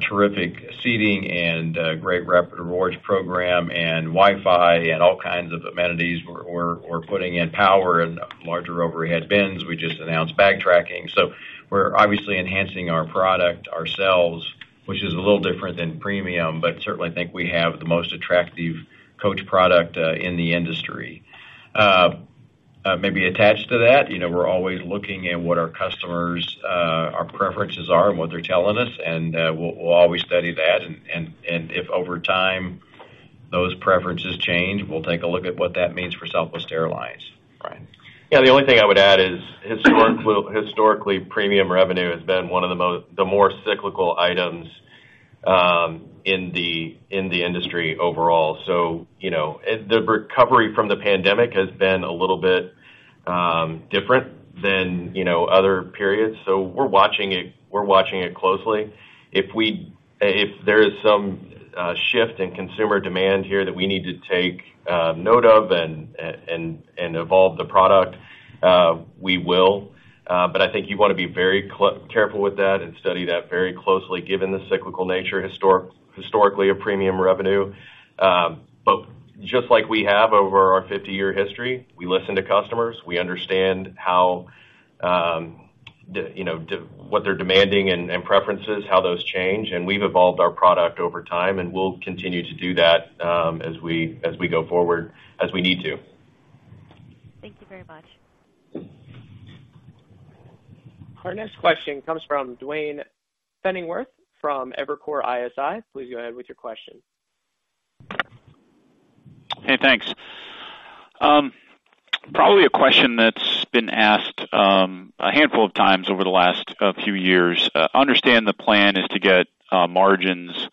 Speaker 3: terrific seating and a great Rapid Rewards program and Wi-Fi and all kinds of amenities. We're putting in power and larger overhead bins. We just announced bag tracking. So we're obviously enhancing our product ourselves, which is a little different than premium, but certainly think we have the most attractive coach product in the industry. Maybe attached to that, you know, we're always looking at what our customers' preferences are and what they're telling us, and we'll always study that. And if over time those preferences change, we'll take a look at what that means for Southwest Airlines. Ryan?
Speaker 5: Yeah, the only thing I would add is, historically, premium revenue has been one of the most, the more cyclical items, in the industry overall. So, you know, the recovery from the pandemic has been a little bit, different than, you know, other periods, so we're watching it, we're watching it closely. If there is some shift in consumer demand here that we need to take note of and evolve the product, we will. But I think you wanna be very careful with that and study that very closely, given the cyclical nature, historically, of premium revenue. But just like we have over our 50-year history, we listen to customers, we understand how, you know, what they're demanding and preferences, how those change, and we've evolved our product over time, and we'll continue to do that, as we go forward, as we need to.
Speaker 8: Thank you very much.
Speaker 1: Our next question comes from Duane Pfennigwerth from Evercore ISI. Please go ahead with your question.
Speaker 9: Hey, thanks. Probably a question that's been asked a handful of times over the last few years. Understand the plan is to get margins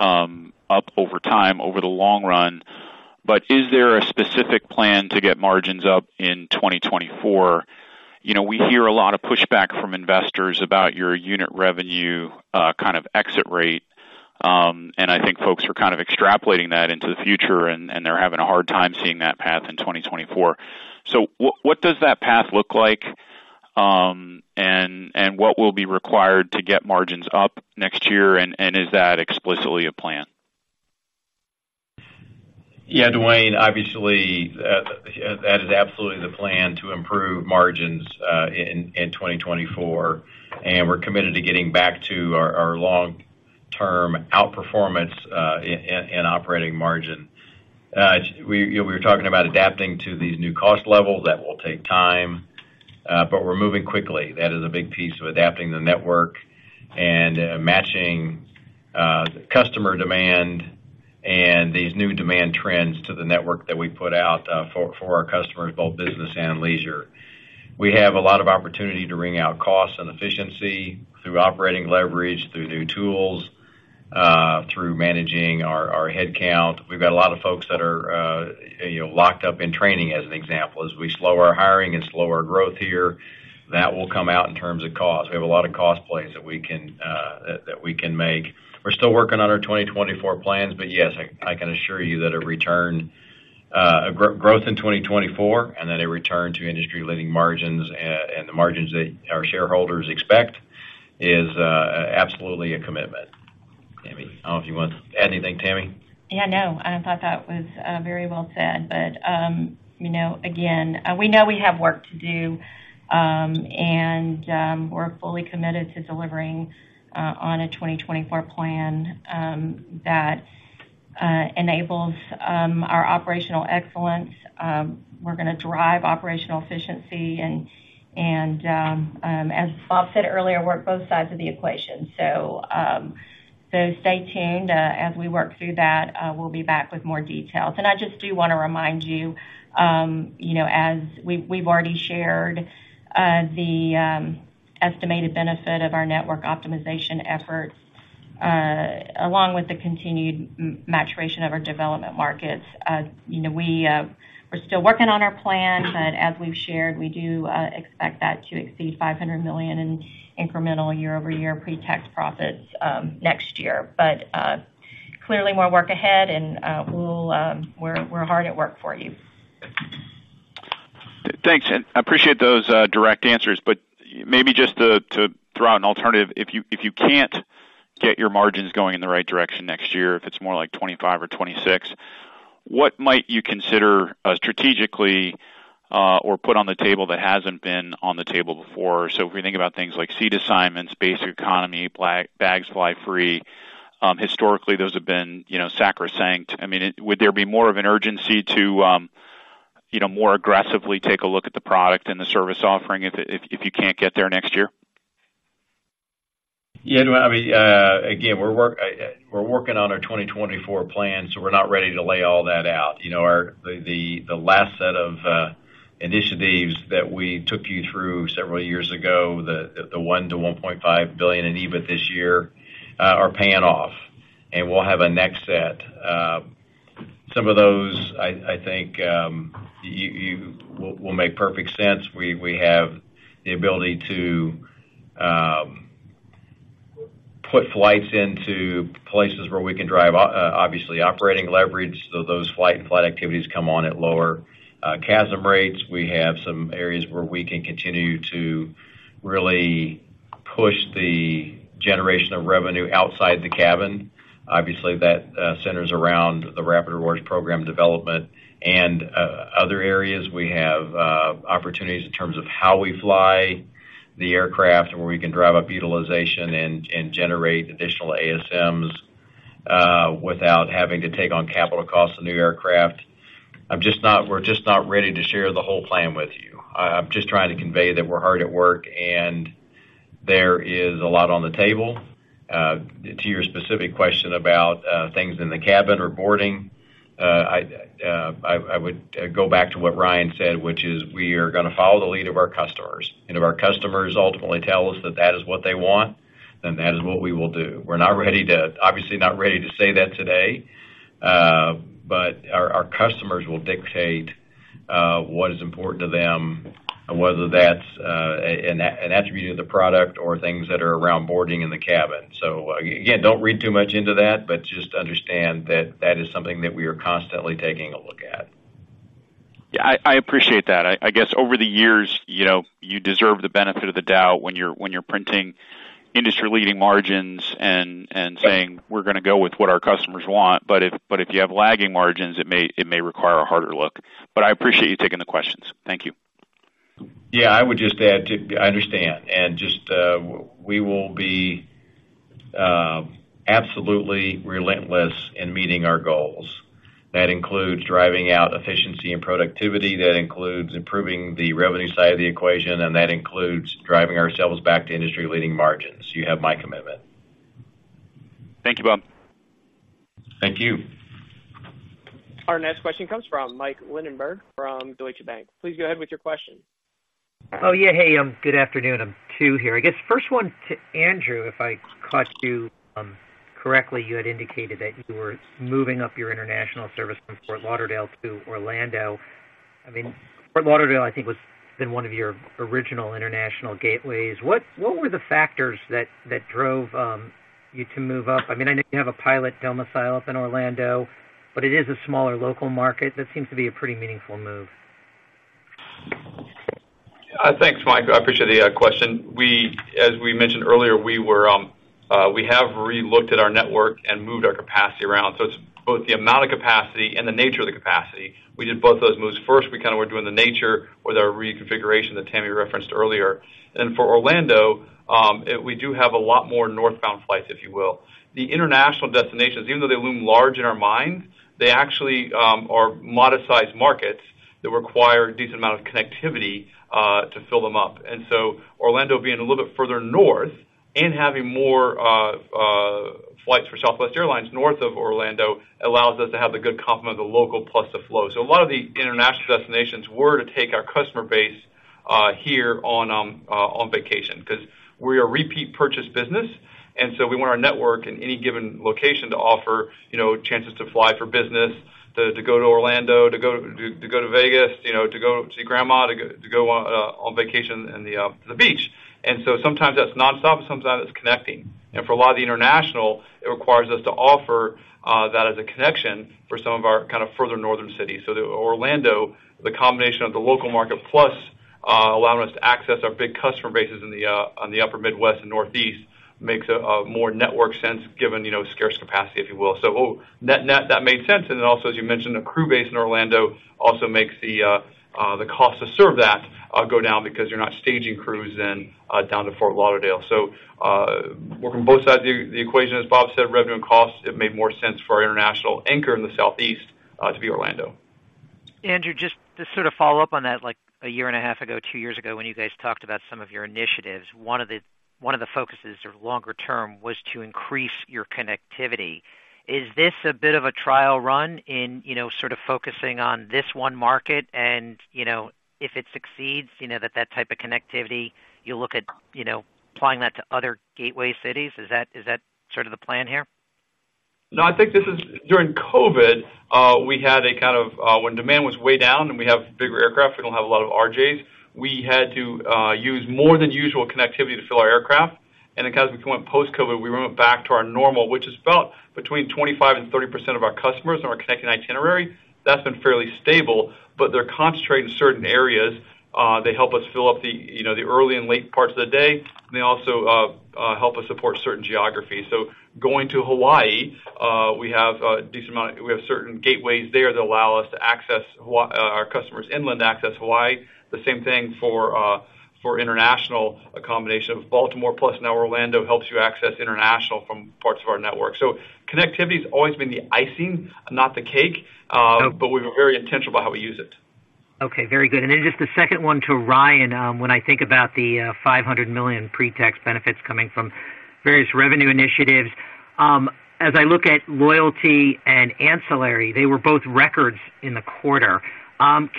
Speaker 9: up over time over the long run, but is there a specific plan to get margins up in 2024? You know, we hear a lot of pushback from investors about your unit revenue kind of exit rate, and I think folks are kind of extrapolating that into the future, and they're having a hard time seeing that path in 2024. So what does that path look like? And what will be required to get margins up next year, and is that explicitly a plan?
Speaker 3: Yeah, Duane, obviously, that is absolutely the plan, to improve margins in 2024, and we're committed to getting back to our long-term outperformance in operating margin. We, you know, we were talking about adapting to these new cost levels. That will take time, but we're moving quickly. That is a big piece of adapting the network and matching customer demand and these new demand trends to the network that we put out for our customers, both business and leisure. We have a lot of opportunity to wring out costs and efficiency through operating leverage, through new tools, through managing our headcount. We've got a lot of folks that are, you know, locked up in training, as an example. As we slow our hiring and slow our growth here, that will come out in terms of cost. We have a lot of cost plays that we can make. We're still working on our 2024 plans, but yes, I can assure you that a return to growth in 2024, and then a return to industry-leading margins, and the margins that our shareholders expect is absolutely a commitment. Tammy, I don't know if you want to add anything, Tammy?
Speaker 4: Yeah, no, I thought that was very well said. But, you know, again, we know we have work to do, and we're fully committed to delivering on a 2024 plan that enables our operational excellence. We're gonna drive operational efficiency and, as Bob said earlier, work both sides of the equation. So, stay tuned. As we work through that, we'll be back with more details. And I just do wanna remind you, you know, as we've already shared, the estimated benefit of our network optimization efforts, along with the continued maturation of our development markets. You know, we're still working on our plan, but as we've shared, we do expect that to exceed $500 million in incremental year-over-year pretax profits next year. But, clearly, more work ahead and, we'll. We're hard at work for you.
Speaker 9: Thanks, and I appreciate those direct answers. But maybe just to throw out an alternative, if you can't get your margins going in the right direction next year, if it's more like 25 or 26, what might you consider strategically, or put on the table that hasn't been on the table before? So if we think about things like seat assignments, basic economy, bags fly free, historically, those have been, you know, sacrosanct. I mean, would there be more of an urgency to you know more aggressively take a look at the product and the service offering if you can't get there next year?
Speaker 3: Yeah, no, I mean, again, we're working on our 2024 plan, so we're not ready to lay all that out. You know, the last set of initiatives that we took you through several years ago, the one to 1.5 billion in EBIT this year, are paying off, and we'll have a next set. Some of those, I think, you will make perfect sense. We have the ability to put flights into places where we can drive obviously operating leverage, so those flight and flight activities come on at lower CASM rates. We have some areas where we can continue to really push the generation of revenue outside the cabin. Obviously, that centers around the Rapid Rewards program development and other areas. We have opportunities in terms of how we fly the aircraft, where we can drive up utilization and generate additional ASMs without having to take on capital costs of new aircraft. I'm just not we're just not ready to share the whole plan with you. I'm just trying to convey that we're hard at work, and there is a lot on the table. To your specific question about things in the cabin or boarding, I would go back to what Ryan said, which is we are gonna follow the lead of our customers. And if our customers ultimately tell us that that is what they want, then that is what we will do. We're not ready to obviously, not ready to say that today, but our customers will dictate what is important to them, whether that's an attribute of the product or things that are around boarding in the cabin. So, again, don't read too much into that, but just understand that that is something that we are constantly taking a look at.
Speaker 9: Yeah, I appreciate that. I guess over the years, you know, you deserve the benefit of the doubt when you're printing industry-leading margins and saying, "We're gonna go with what our customers want." But if you have lagging margins, it may require a harder look. But I appreciate you taking the questions. Thank you.
Speaker 3: Yeah, I would just add, too, I understand, and just, we will be absolutely relentless in meeting our goals. That includes driving out efficiency and productivity, that includes improving the revenue side of the equation, and that includes driving ourselves back to industry-leading margins. You have my commitment.
Speaker 9: Thank you, Bob.
Speaker 3: Thank you.
Speaker 1: Our next question comes from Michael Linenberg from Deutsche Bank. Please go ahead with your question.
Speaker 10: Oh, yeah. Hey, good afternoon. I'm two here. I guess, first one to Andrew, if I caught you correctly, you had indicated that you were moving up your international service from Fort Lauderdale to Orlando. I mean, Fort Lauderdale, I think, has been one of your original international gateways. What were the factors that drove you to move up? I mean, I know you have a pilot domicile up in Orlando, but it is a smaller local market. That seems to be a pretty meaningful move.
Speaker 6: Thanks, Mike. I appreciate the question. As we mentioned earlier, we have relooked at our network and moved our capacity around. It's both the amount of capacity and the nature of the capacity. We did both those moves. First, we kind of were doing the nature with our reconfiguration that Tammy referenced earlier. For Orlando, we do have a lot more northbound flights, if you will. The international destinations, even though they loom large in our minds, they actually are modest-sized markets that require a decent amount of connectivity to fill them up. Orlando being a little bit further north and having more flights for Southwest Airlines north of Orlando allows us to have the good complement of the local plus the flow. So a lot of the international destinations were to take our customer base, here on, on vacation, 'cause we are a repeat purchase business, and so we want our network in any given location to offer, you know, chances to fly for business, to, to go to Orlando, to go to, to go to Vegas, you know, to go to see grandma, to go, on vacation in the, the beach. And so sometimes that's nonstop, sometimes it's connecting. And for a lot of the international, it requires us to offer, that as a connection for some of our kind of further northern cities. So the Orlando, the combination of the local market+. Allowing us to access our big customer bases in the, on the upper Midwest and Northeast makes a more network sense, given, you know, scarce capacity, if you will. Net-net, that made sense. And then also, as you mentioned, a crew base in Orlando also makes the cost to serve that go down because you're not staging crews then down to Fort Lauderdale. Working both sides of the equation, as Bob said, revenue and costs, it made more sense for our international anchor in the Southeast to be Orlando.
Speaker 10: Andrew, just to sort of follow up on that, like, a year and a half ago, 2 years ago, when you guys talked about some of your initiatives, one of the focuses or longer term was to increase your connectivity. Is this a bit of a trial run in, you know, sort of focusing on this one market and, you know, if it succeeds, you know, that, that type of connectivity, you look at, you know, applying that to other gateway cities? Is that, is that sort of the plan here?
Speaker 6: No, I think this is during COVID, we had a kind of when demand was way down, and we have bigger aircraft, we don't have a lot of RJs, we had to use more than usual connectivity to fill our aircraft. And then, kind of, as we went post-COVID, we went back to our normal, which is about between 25% and 30% of our customers on our connecting itinerary. That's been fairly stable, but they're concentrated in certain areas. They help us fill up the, you know, the early and late parts of the day, and they also help us support certain geographies. So going to Hawaii, we have a decent amount we have certain gateways there that allow us to access Hawaii, our customers inland access Hawaii. The same thing for international accommodation. Baltimore, plus now Orlando, helps you access international from parts of our network. So connectivity's always been the icing, not the cake.
Speaker 10: Okay.
Speaker 6: But we're very intentional about how we use it.
Speaker 10: Okay, very good. And then just the second one to Ryan. When I think about the $500 million pre-tax benefits coming from various revenue initiatives, as I look at loyalty and ancillary, they were both records in the quarter.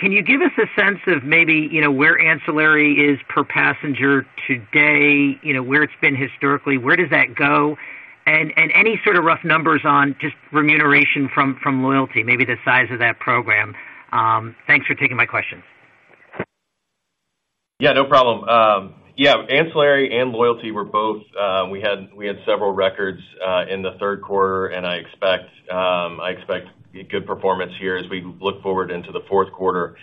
Speaker 10: Can you give us a sense of maybe, you know, where ancillary is per passenger today, you know, where it's been historically? Where does that go? And any sort of rough numbers on just remuneration from loyalty, maybe the size of that program. Thanks for taking my questions.
Speaker 5: Yeah, no problem. Yeah, ancillary and loyalty were both, we had, we had several records in the third quarter, and I expect, I expect a good performance here as we look forward into the fourth quarter.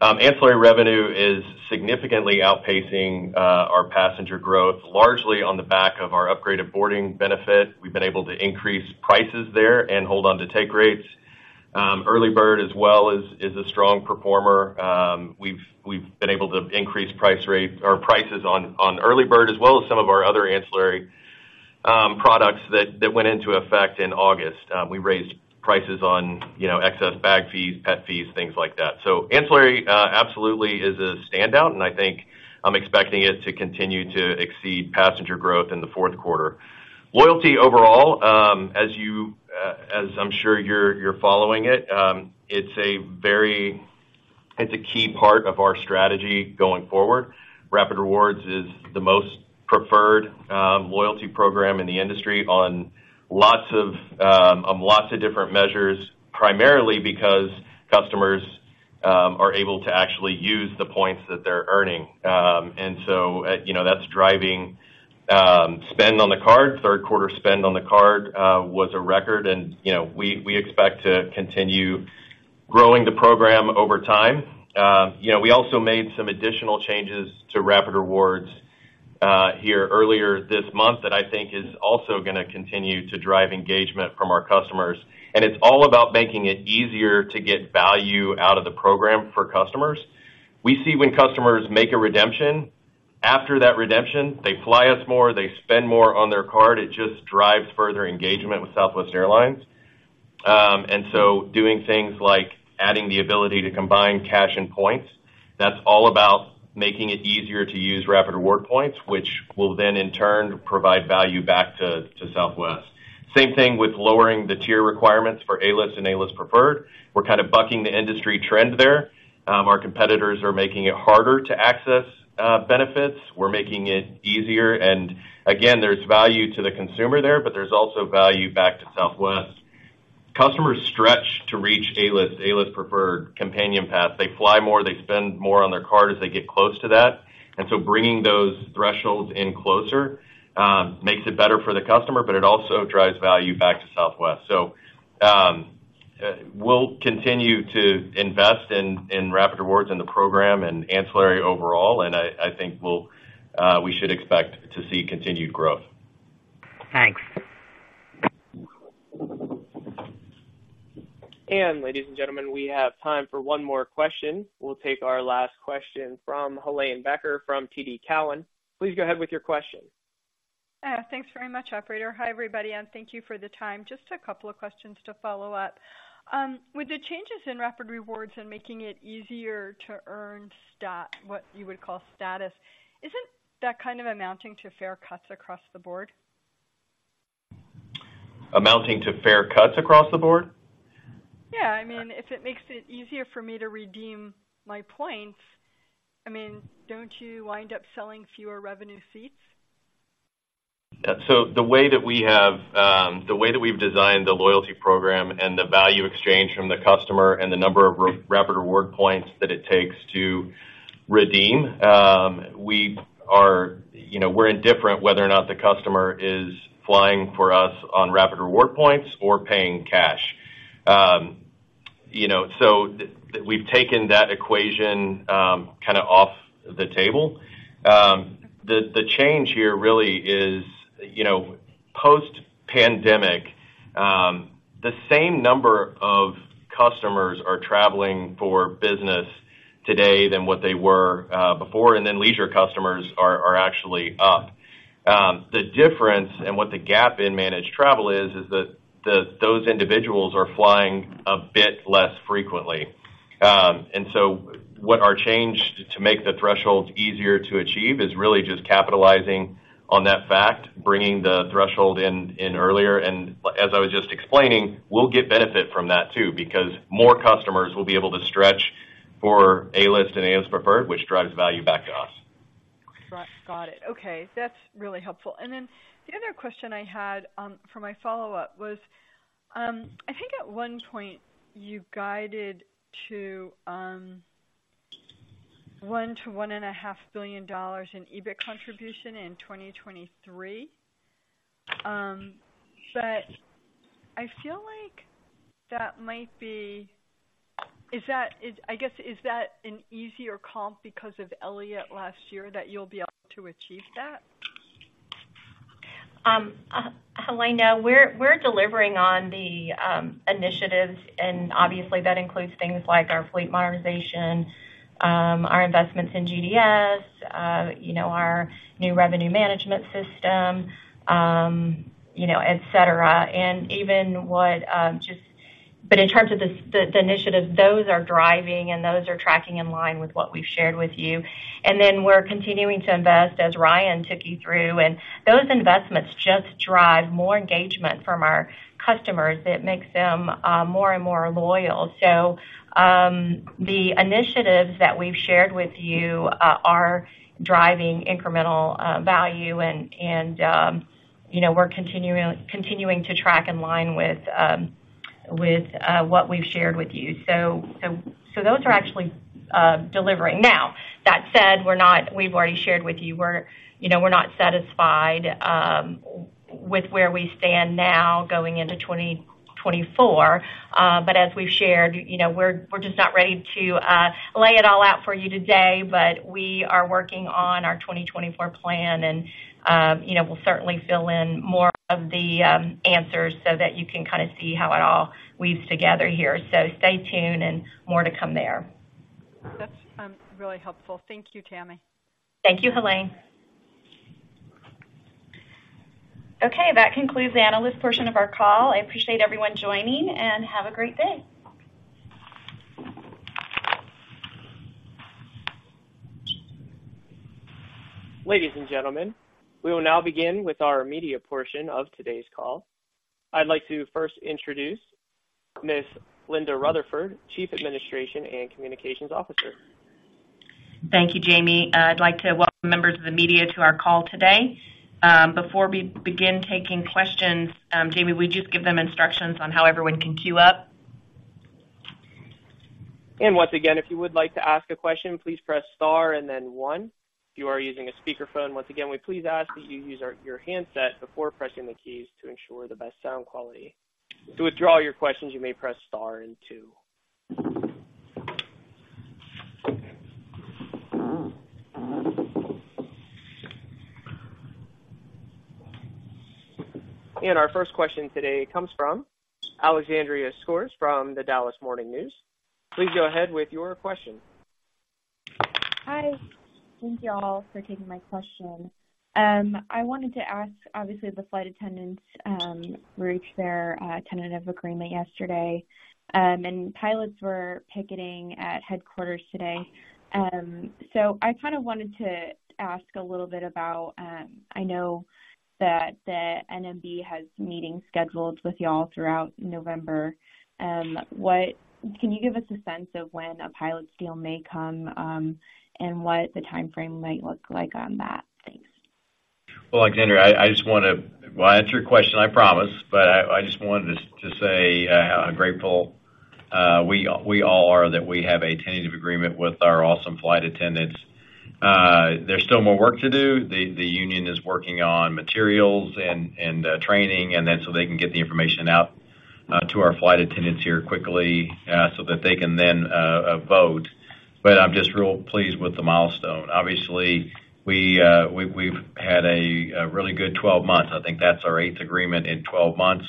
Speaker 5: Ancillary revenue is significantly outpacing our passenger growth, largely on the back of our Upgraded Boarding benefit. We've been able to increase prices there and hold on to take rates. EarlyBird Check-In as well is a strong performer. We've been able to increase prices on EarlyBird Check-In, as well as some of our other ancillary products that went into effect in August. We raised prices on, you know, excess bag fees, pet fees, things like that. So ancillary, absolutely is a standout, and I think I'm expecting it to continue to exceed passenger growth in the fourth quarter. Loyalty overall, as you, as I'm sure you're, you're following it, it's a key part of our strategy going forward. Rapid Rewards is the most preferred, loyalty program in the industry on lots of, on lots of different measures, primarily because customers, are able to actually use the points that they're earning. And so, you know, that's driving, spend on the card. Third quarter spend on the card, was a record, and, you know, we, we expect to continue growing the program over time. You know, we also made some additional changes to Rapid Rewards, here earlier this month, that I think is also gonna continue to drive engagement from our customers. It's all about making it easier to get value out of the program for customers. We see when customers make a redemption, after that redemption, they fly us more, they spend more on their card. It just drives further engagement with Southwest Airlines. And so doing things like adding the ability to combine cash and points, that's all about making it easier to use Rapid Rewards points, which will then, in turn, provide value back to Southwest. Same thing with lowering the tier requirements for A-List and A-List Preferred. We're kind of bucking the industry trend there. Our competitors are making it harder to access benefits. We're making it easier, and again, there's value to the consumer there, but there's also value back to Southwest. Customers stretch to reach A-List, A-List Preferred Companion Pass. They fly more, they spend more on their card as they get close to that, and so bringing those thresholds in closer makes it better for the customer, but it also drives value back to Southwest. So we'll continue to invest in Rapid Rewards and the program and ancillary overall, and I think we should expect to see continued growth.
Speaker 10: Thanks.
Speaker 1: Ladies and gentlemen, we have time for one more question. We'll take our last question from Helane Becker, from TD Cowen. Please go ahead with your question.
Speaker 11: Thanks very much, operator. Hi, everybody, and thank you for the time. Just a couple of questions to follow up. With the changes in Rapid Rewards and making it easier to earn status what you would call status, isn't that kind of amounting to fare cuts across the board?
Speaker 5: Amounting to fare cuts across the board?
Speaker 11: Yeah. I mean, if it makes it easier for me to redeem my points, I mean, don't you wind up selling fewer revenue seats?
Speaker 5: So the way that we've designed the loyalty program and the value exchange from the customer and the number of Rapid Rewards points that it takes to redeem, you know, we're indifferent whether or not the customer is flying for us on Rapid Rewards points or paying cash. You know, so we've taken that equation, kind of off the table. The change here really is, you know, post-pandemic, the same number of customers are traveling for business today than what they were, before, and then leisure customers are actually up. The difference and what the gap in managed travel is, is that those individuals are flying a bit less frequently. And so what our change to make the thresholds easier to achieve is really just capitalizing on that fact, bringing the threshold in earlier. And as I was just explaining, we'll get benefit from that, too, because more customers will be able to stretch for A-List and A-List Preferred, which drives value back to us.
Speaker 11: Got it. Okay, that's really helpful. And then the other question I had, for my follow-up was, I think at one point you guided to, $1 billion-$1.5 billion in EBIT contribution in 2023. But I feel like that might be I guess, is that an easier comp because of Elliott last year, that you'll be able to achieve that?
Speaker 4: Helane, we're delivering on the initiatives, and obviously that includes things like our fleet modernization, our investments in GDS, you know, our new revenue management system, you know, et cetera. But in terms of this, the initiative, those are driving and those are tracking in line with what we've shared with you. And then we're continuing to invest, as Ryan took you through, and those investments just drive more engagement from our customers. It makes them more and more loyal. So, the initiatives that we've shared with you are driving incremental value, and you know, we're continuing to track in line with what we've shared with you. So those are actually delivering. Now, that said, we're not already shared with you, we're, you know, we're not satisfied with where we stand now going into 2024. But as we've shared, you know, we're, we're just not ready to lay it all out for you today, but we are working on our 2024 plan, and, you know, we'll certainly fill in more of the answers so that you can kind of see how it all weaves together here. So stay tuned, and more to come there.
Speaker 11: That's really helpful. Thank you, Tammy.
Speaker 4: Thank you, Helane. Okay, that concludes the analyst portion of our call. I appreciate everyone joining, and have a great day.
Speaker 1: Ladies and gentlemen, we will now begin with our media portion of today's call. I'd like to first introduce Ms. Linda Rutherford, Chief Administration and Communications Officer.
Speaker 12: Thank you, Jamie. I'd like to welcome members of the media to our call today. Before we begin taking questions, Jamie, would you just give them instructions on how everyone can queue up?
Speaker 1: And once again, if you would like to ask a question, please press Star and then One. If you are using a speakerphone, once again, we please ask that you use your handset before pressing the keys to ensure the best sound quality. To withdraw your questions, you may press Star and Two. And our first question today comes from Alexandra Skores from The Dallas Morning News. Please go ahead with your question.
Speaker 5: Hi. Thank you all for taking my question. I wanted to ask, obviously, the flight attendants reached their tentative agreement yesterday, and pilots were picketing at headquarters today. So I kind of wanted to ask a little bit about, I know that the NMB has meetings scheduled with y'all throughout November. What can you give us a sense of when a pilot's deal may come, and what the timeframe might look like on that? Thanks. Well, Alexandra, I just wanna. Well, I'll answer your question, I promise, but I just wanted to say how grateful we all are that we have a tentative agreement with our awesome flight attendants. There's still more work to do. The union is working on materials and training, and then so they can get the information out to our flight attendants here quickly, so that they can then vote. But I'm just real pleased with the milestone. Obviously, we've had a really good 12 months. I think that's our eighth agreement in 12 months,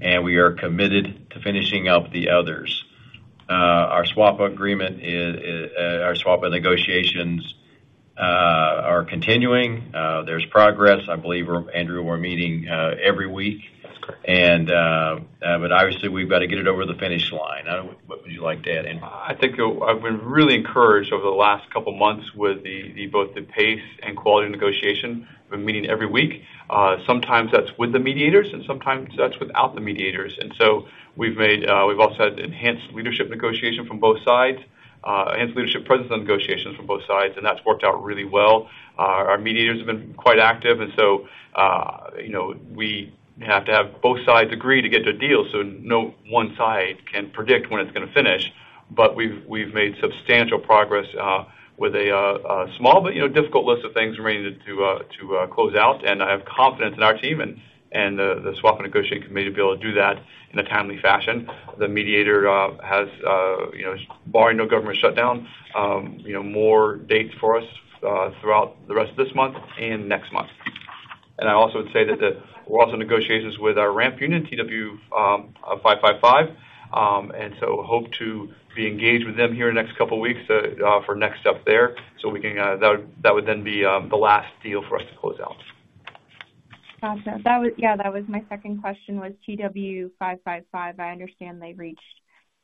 Speaker 5: and we are committed to finishing up the others. Our SWAPA agreement is our SWAPA negotiations are continuing. There's progress. I believe, Andrew, we're meeting every week.
Speaker 6: That's correct.
Speaker 5: But obviously, we've got to get it over the finish line. I don't-- what would you like to add, Andrew?
Speaker 3: I think I've been really encouraged over the last couple of months with both the pace and quality of negotiation. We're meeting every week. Sometimes that's with the mediators, and sometimes that's without the mediators. And so we've made, we've also had enhanced leadership negotiation from both sides, enhanced leadership presence on negotiations from both sides, and that's worked out really well. Our mediators have been quite active, and so, you know, we have to have both sides agree to get to a deal, so no one side can predict when it's gonna finish. But we've made substantial progress with a small but, you know, difficult list of things remaining to close out. And I have confidence in our team and the SWAPA negotiating committee to be able to do that in a timely fashion. The mediator has, you know, barring no government shutdown, you know, more dates for us throughout the rest of this month and next month. And I also would say that we're also in negotiations with our ramp union, TWU 555. And so hope to be engaged with them here in the next couple of weeks for next step there, so we can, that would then be the last deal for us to close out.
Speaker 13: Gotcha. That was. Yeah, that was my second question, was TW 555. I understand they reached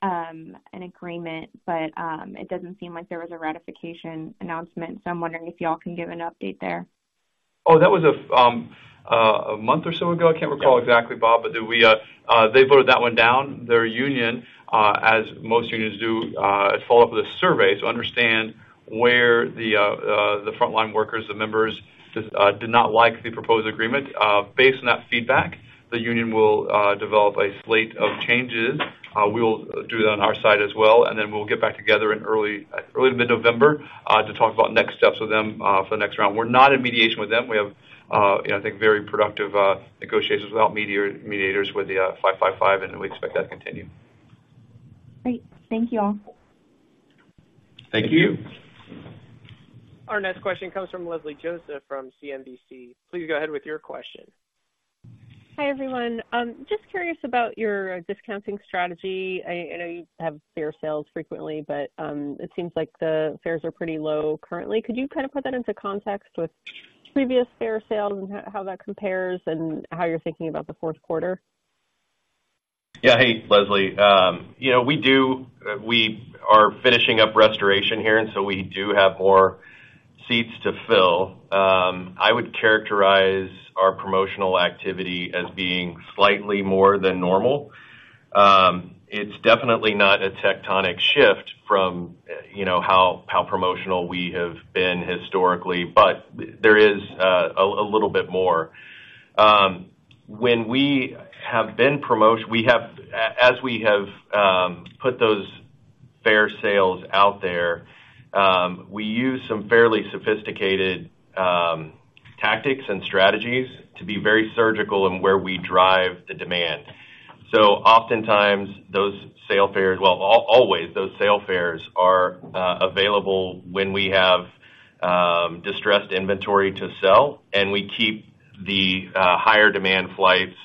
Speaker 13: an agreement, but it doesn't seem like there was a ratification announcement, so I'm wondering if you all can give an update there.
Speaker 3: Oh, that was a month or so ago. I can't recall exactly, Bob, but... They voted that one down. Their union, as most unions do, follow up with a survey to understand where the frontline workers, the members, did not like the proposed agreement. Based on that feedback, the union will develop a slate of changes. We will do that on our side as well, and then we'll get back together in early to mid-November to talk about next steps with them for the next round. We're not in mediation with them. We have, I think, very productive negotiations without mediators with the five five five, and we expect that to continue.
Speaker 13: Great. Thank you all.
Speaker 3: Thank you.
Speaker 1: Our next question comes from Leslie Josephs from CNBC. Please go ahead with your question.
Speaker 14: Hi, everyone. Just curious about your discounting strategy. I know you have fare sales frequently, but it seems like the fares are pretty low currently. Could you kind of put that into context with previous fare sales and how that compares and how you're thinking about the fourth quarter?
Speaker 5: Yeah. Hey, Leslie. You know, we are finishing up restoration here, and so we do have more seats to fill. I would characterize our promotional activity as being slightly more than normal. It's definitely not a tectonic shift from, you know, how promotional we have been historically, but there is a little bit more. When we have been promoting, we have, as we have put those fare sales out there, we use some fairly sophisticated tactics and strategies to be very surgical in where we drive the demand. So oftentimes, those sale fares, well, always, those sale fares are available when we have distressed inventory to sell, and we keep the higher demand flights,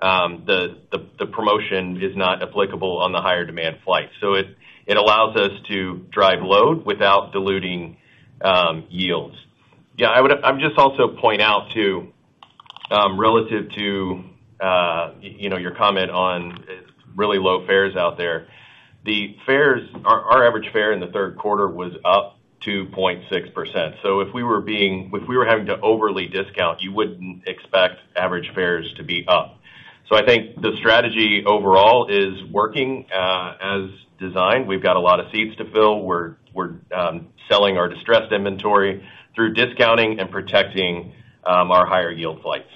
Speaker 5: the promotion is not applicable on the higher demand flights. So it allows us to drive load without diluting yields. Yeah, I'll just also point out, too, relative to, you know, your comment on really low fares out there. The fares... Our average fare in the third quarter was up 2.6%. So if we were having to overly discount, you wouldn't expect average fares to be up. So I think the strategy overall is working as designed. We've got a lot of seats to fill. We're selling our distressed inventory through discounting and protecting our higher yield flights.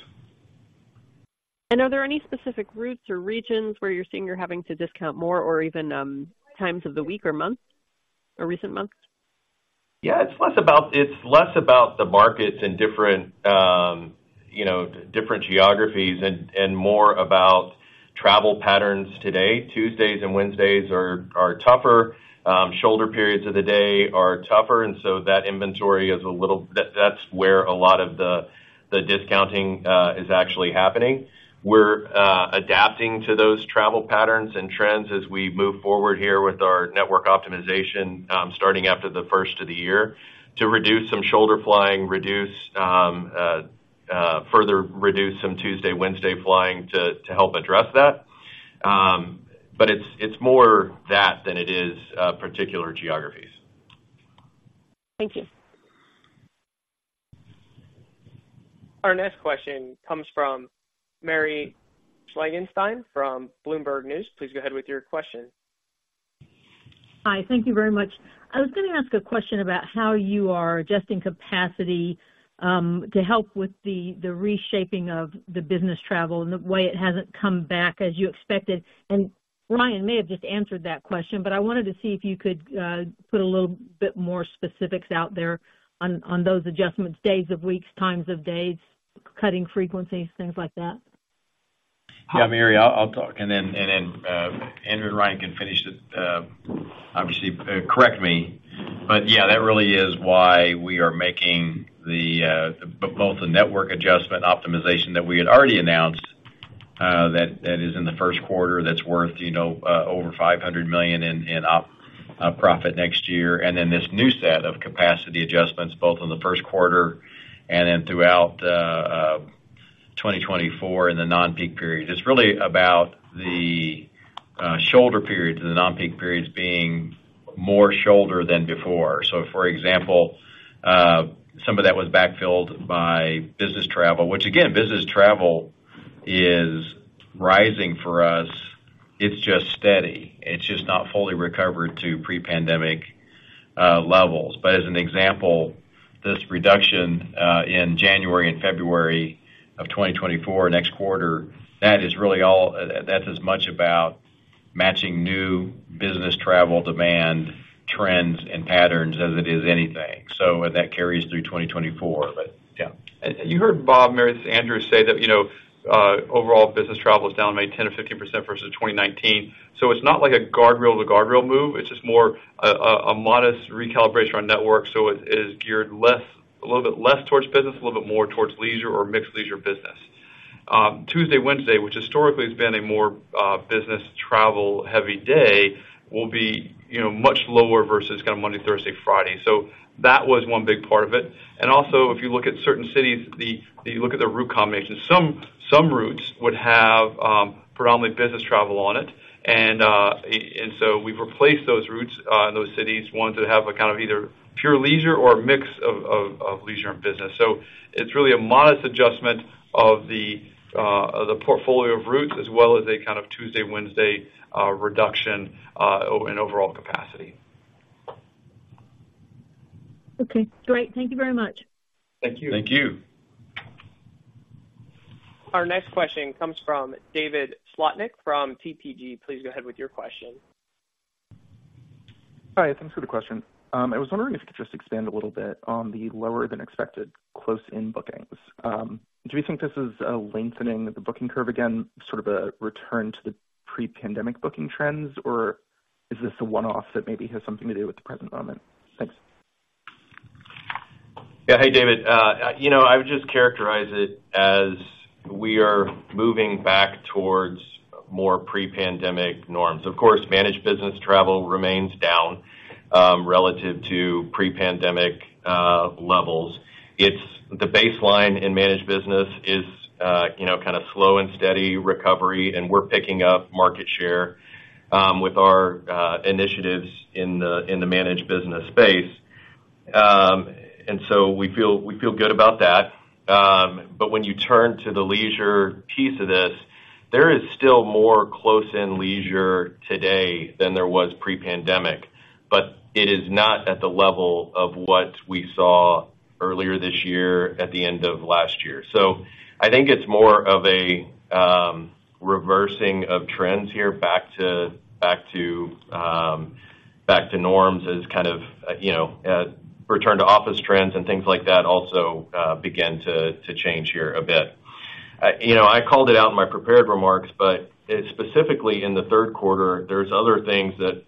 Speaker 14: Are there any specific routes or regions where you're seeing you're having to discount more, or even times of the week or month, or recent months?
Speaker 3: Yeah, it's less about, it's less about the markets and different, you know, different geographies and, and more about travel patterns today. Tuesdays and Wednesdays are tougher. Shoulder periods of the day are tougher, and so that inventory is a little—that, that's where a lot of the, the discounting is actually happening. We're adapting to those travel patterns and trends as we move forward here with our network optimization, starting after the first of the year, to reduce some shoulder flying, reduce, further reduce some Tuesday, Wednesday flying to help address that. But it's, it's more that than it is particular geographies.
Speaker 14: Thank you.
Speaker 1: Our next question comes from Mary Schlangenstein from Bloomberg News. Please go ahead with your question.
Speaker 15: Hi, thank you very much. I was gonna ask a question about how you are adjusting capacity to help with the reshaping of the business travel and the way it hasn't come back as you expected. Ryan may have just answered that question, but I wanted to see if you could put a little bit more specifics out there on those adjustments, days of weeks, times of days, cutting frequencies, things like that.
Speaker 3: Yeah, Mary, I'll talk, and then Andrew and Ryan can finish it, obviously, correct me. But yeah, that really is why we are making both the network adjustment optimization that we had already announced, that is in the first quarter, that's worth, you know, over $500 million in op- profit next year. And then this new set of capacity adjustments, both in the first quarter and then throughout 2024 in the non-peak period. It's really about the shoulder periods and the non-peak periods being more shoulder than before. So, for example, some of that was backfilled by business travel, which, again, business travel is rising for us. It's just steady. It's just not fully recovered to pre-pandemic levels. But as an example this reduction in January and February of 2024, next quarter, that is really all that's as much about matching new business travel demand trends and patterns as it is anything. So that carries through 2024, but yeah.
Speaker 6: You heard Bob Jordan, Andrew Watterson say that, you know, overall business travel is down by 10% or 15% versus 2019. So it's not like a guardrail to guardrail move, it's just more a modest recalibration on network. So it is geared less, a little bit less towards business, a little bit more towards leisure or mixed leisure business. Tuesday, Wednesday, which historically has been a more business travel-heavy day, will be, you know, much lower versus kind of Monday, Thursday, Friday. So that was one big part of it. And also, if you look at certain cities, you look at the route combinations, some routes would have predominantly business travel on it. And so we've replaced those routes in those cities, ones that have a kind of either pure leisure or a mix of leisure and business. So it's really a modest adjustment of the portfolio of routes, as well as a kind of Tuesday, Wednesday, reduction in overall capacity.
Speaker 15: Okay, great. Thank you very much.
Speaker 6: Thank you.
Speaker 5: Thank you.
Speaker 1: Our next question comes from David Slotnick from TPG. Please go ahead with your question.
Speaker 16: Hi, thanks for the question. I was wondering if you could just expand a little bit on the lower than expected close-in bookings. Do we think this is a lengthening of the booking curve again, sort of a return to the pre-pandemic booking trends, or is this a one-off that maybe has something to do with the present moment? Thanks.
Speaker 5: Yeah. Hey, David, you know, I would just characterize it as we are moving back towards more pre-pandemic norms. Of course, managed business travel remains down relative to pre-pandemic levels. It's the baseline in managed business is, you know, kind of slow and steady recovery, and we're picking up market share with our initiatives in the managed business space. And so we feel, we feel good about that. But when you turn to the leisure piece of this, there is still more close-in leisure today than there was pre-pandemic, but it is not at the level of what we saw earlier this year at the end of last year. So I think it's more of a reversing of trends here back to norms as kind of, you know, return to office trends and things like that also begin to change here a bit. You know, I called it out in my prepared remarks, but specifically in the third quarter, there's other things that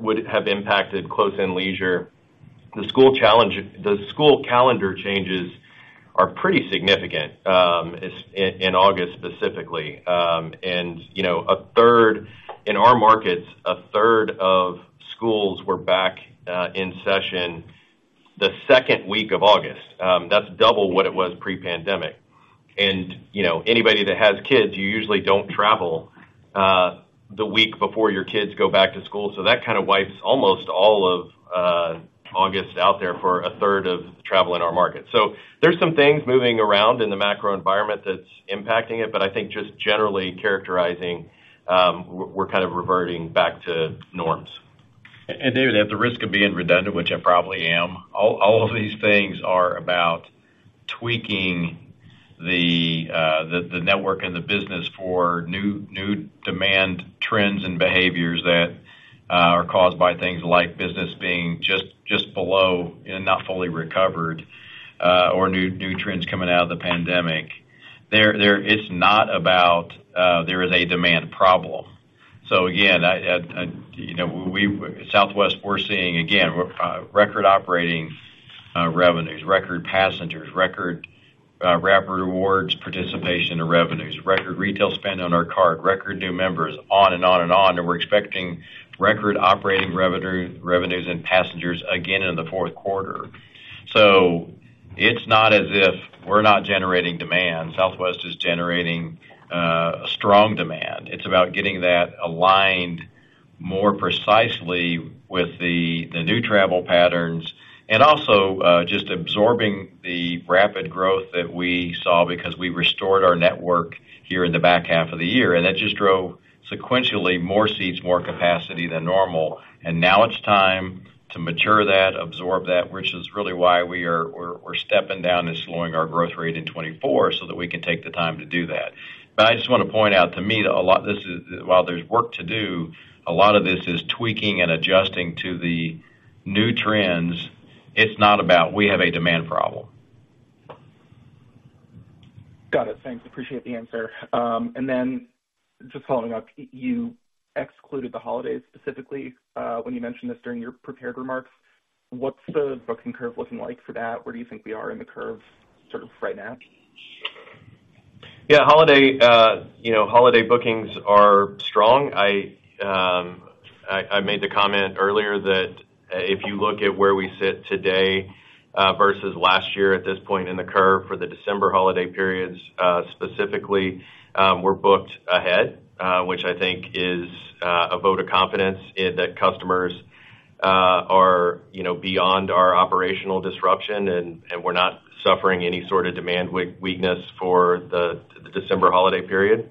Speaker 5: would have impacted close-in leisure. The school challenge—the school calendar changes are pretty significant, especially in August, specifically. And, you know, in our markets, a third of schools were back in session the second week of August. That's double what it was pre-pandemic. And, you know, anybody that has kids, you usually don't travel the week before your kids go back to school. So that kind of wipes almost all of August out there for a third of travel in our market. So there's some things moving around in the macro environment that's impacting it, but I think just generally characterizing, we're kind of reverting back to norms. And David, at the risk of being redundant, which I probably am, all of these things are about tweaking the network and the business for new demand trends and behaviors that are caused by things like business being just below and not fully recovered, or new trends coming out of the pandemic. It's not about there is a demand problem. So again, I you know, we, Southwest, we're seeing, again, record operating revenues, record passengers, record Rapid Rewards participation and revenues, record retail spend on our card, record new members, on and on and on, and we're expecting record operating revenues and passengers again in the fourth quarter. So it's not as if we're not generating demand. Southwest is generating a strong demand. It's about getting that aligned more precisely with the new travel patterns and also just absorbing the rapid growth that we saw because we restored our network here in the back half of the year, and that just drove sequentially more seats, more capacity than normal. And now it's time to mature that, absorb that, which is really why we are, we're, we're stepping down and slowing our growth rate in 2024 so that we can take the time to do that. But I just want to point out, to me, a lot, this is, while there's work to do, a lot of this is tweaking and adjusting to the new trends. It's not about we have a demand problem.
Speaker 16: Got it. Thanks. Appreciate the answer. And then just following up, you excluded the holidays, specifically, when you mentioned this during your prepared remarks. What's the booking curve looking like for that? Where do you think we are in the curve, sort of, right now?
Speaker 5: Yeah, holiday, you know, holiday bookings are strong. I made the comment earlier that, if you look at where we sit today, versus last year at this point in the curve for the December holiday periods, specifically, we're booked ahead, which I think is a vote of confidence that customers are, you know, beyond our operational disruption, and we're not suffering any sort of demand weakness for the December holiday period.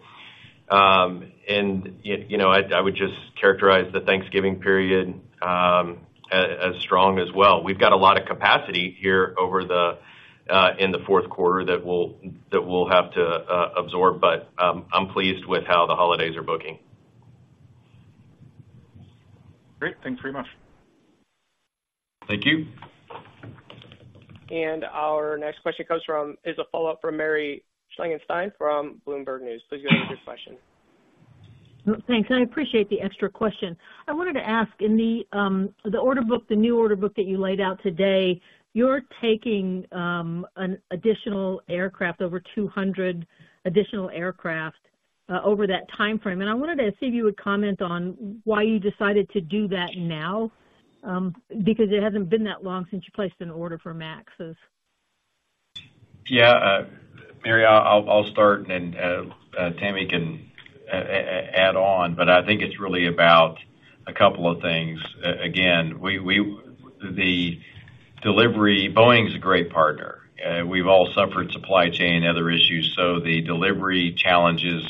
Speaker 3: And, you know, I would just characterize the Thanksgiving period as strong as well. We've got a lot of capacity here over in the fourth quarter that we'll have to absorb, but I'm pleased with how the holidays are booking.
Speaker 12: Great. Thanks very much.
Speaker 3: Thank you.
Speaker 1: Our next question is a follow-up from Mary Schlangenstein from Bloomberg News. Please go ahead with your question.
Speaker 15: Thanks, and I appreciate the extra question. I wanted to ask, in the, the order book, the new order book that you laid out today, you're taking, an additional aircraft, over 200 additional aircraft, over that timeframe. And I wanted to see if you would comment on why you decided to do that now, because it hasn't been that long since you placed an order for MAXes.
Speaker 3: Yeah, Mary, I'll start, and, Tammy can add on, but I think it's really about a couple of things. Again, we, the delivery. Boeing is a great partner. We've all suffered supply chain and other issues, so the delivery challenges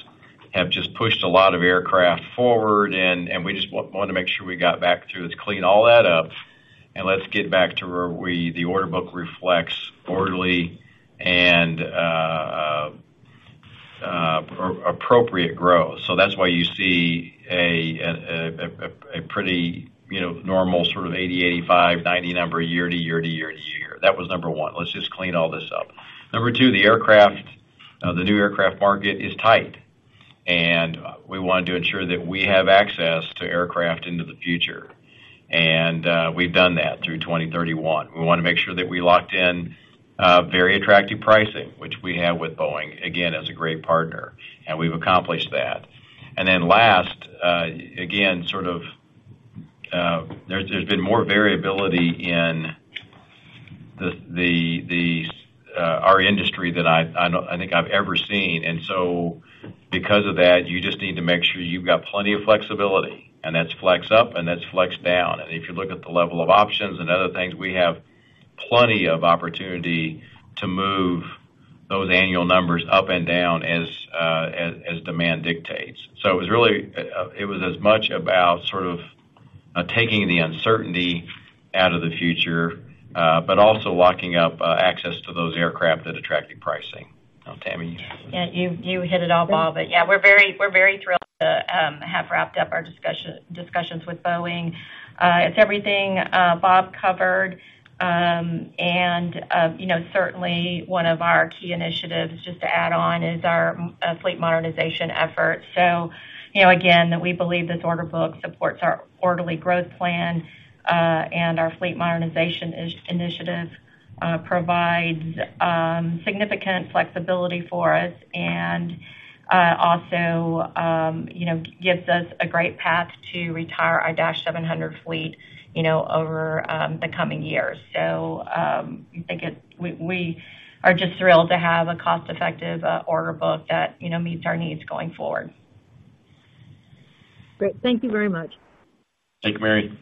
Speaker 3: have just pushed a lot of aircraft forward, and, and we just want, want to make sure we got back to let's clean all that up, and let's get back to where we, the order book reflects orderly and, appropriate growth. So that's why you see a, a, a pretty, you know, normal sort of 80, 85, 90 number year to year to year to year. That was number one. Let's just clean all this up. Number two, the aircraft, the new aircraft market is tight, and we wanted to ensure that we have access to aircraft into the future. And, we've done that through 2031. We wanna make sure that we locked in, very attractive pricing, which we have with Boeing, again, as a great partner, and we've accomplished that. And then last, again, sort of, there's, there's been more variability in the, the, our industry than I, I know, I think I've ever seen. And so because of that, you just need to make sure you've got plenty of flexibility, and that's flex up and that's flex down. And if you look at the level of options and other things, we have plenty of opportunity to move those annual numbers up and down as, as demand dictates. So it was really, it was as much about sort of taking the uncertainty out of the future, but also locking up access to those aircraft at attractive pricing. Now, Tammy?
Speaker 4: Yeah, you hit it all, Bob. But yeah, we're very thrilled to have wrapped up our discussions with Boeing. It's everything Bob covered. And you know, certainly one of our key initiatives, just to add on, is our fleet modernization effort. So, you know, again, we believe this order book supports our quarterly growth plan, and our fleet modernization initiative provides significant flexibility for us and also you know, gives us a great path to retire our Dash 700 fleet, you know, over the coming years. So, I think it. We are just thrilled to have a cost-effective order book that you know, meets our needs going forward.
Speaker 15: Great. Thank you very much.
Speaker 3: Thank you, Mary.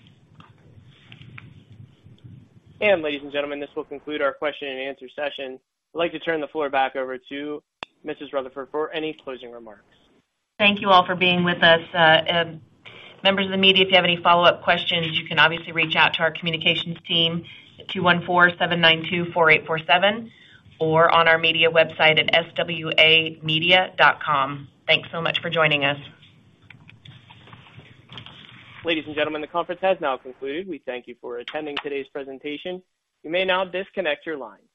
Speaker 1: Ladies and gentlemen, this will conclude our question and answer session. I'd like to turn the floor back over to Mrs. Rutherford for any closing remarks.
Speaker 12: Thank you all for being with us. Members of the media, if you have any follow-up questions, you can obviously reach out to our communications team at 214-792-4847, or on our media website at swamedia.com. Thanks so much for joining us.
Speaker 1: Ladies and gentlemen, the conference has now concluded. We thank you for attending today's presentation. You may now disconnect your line.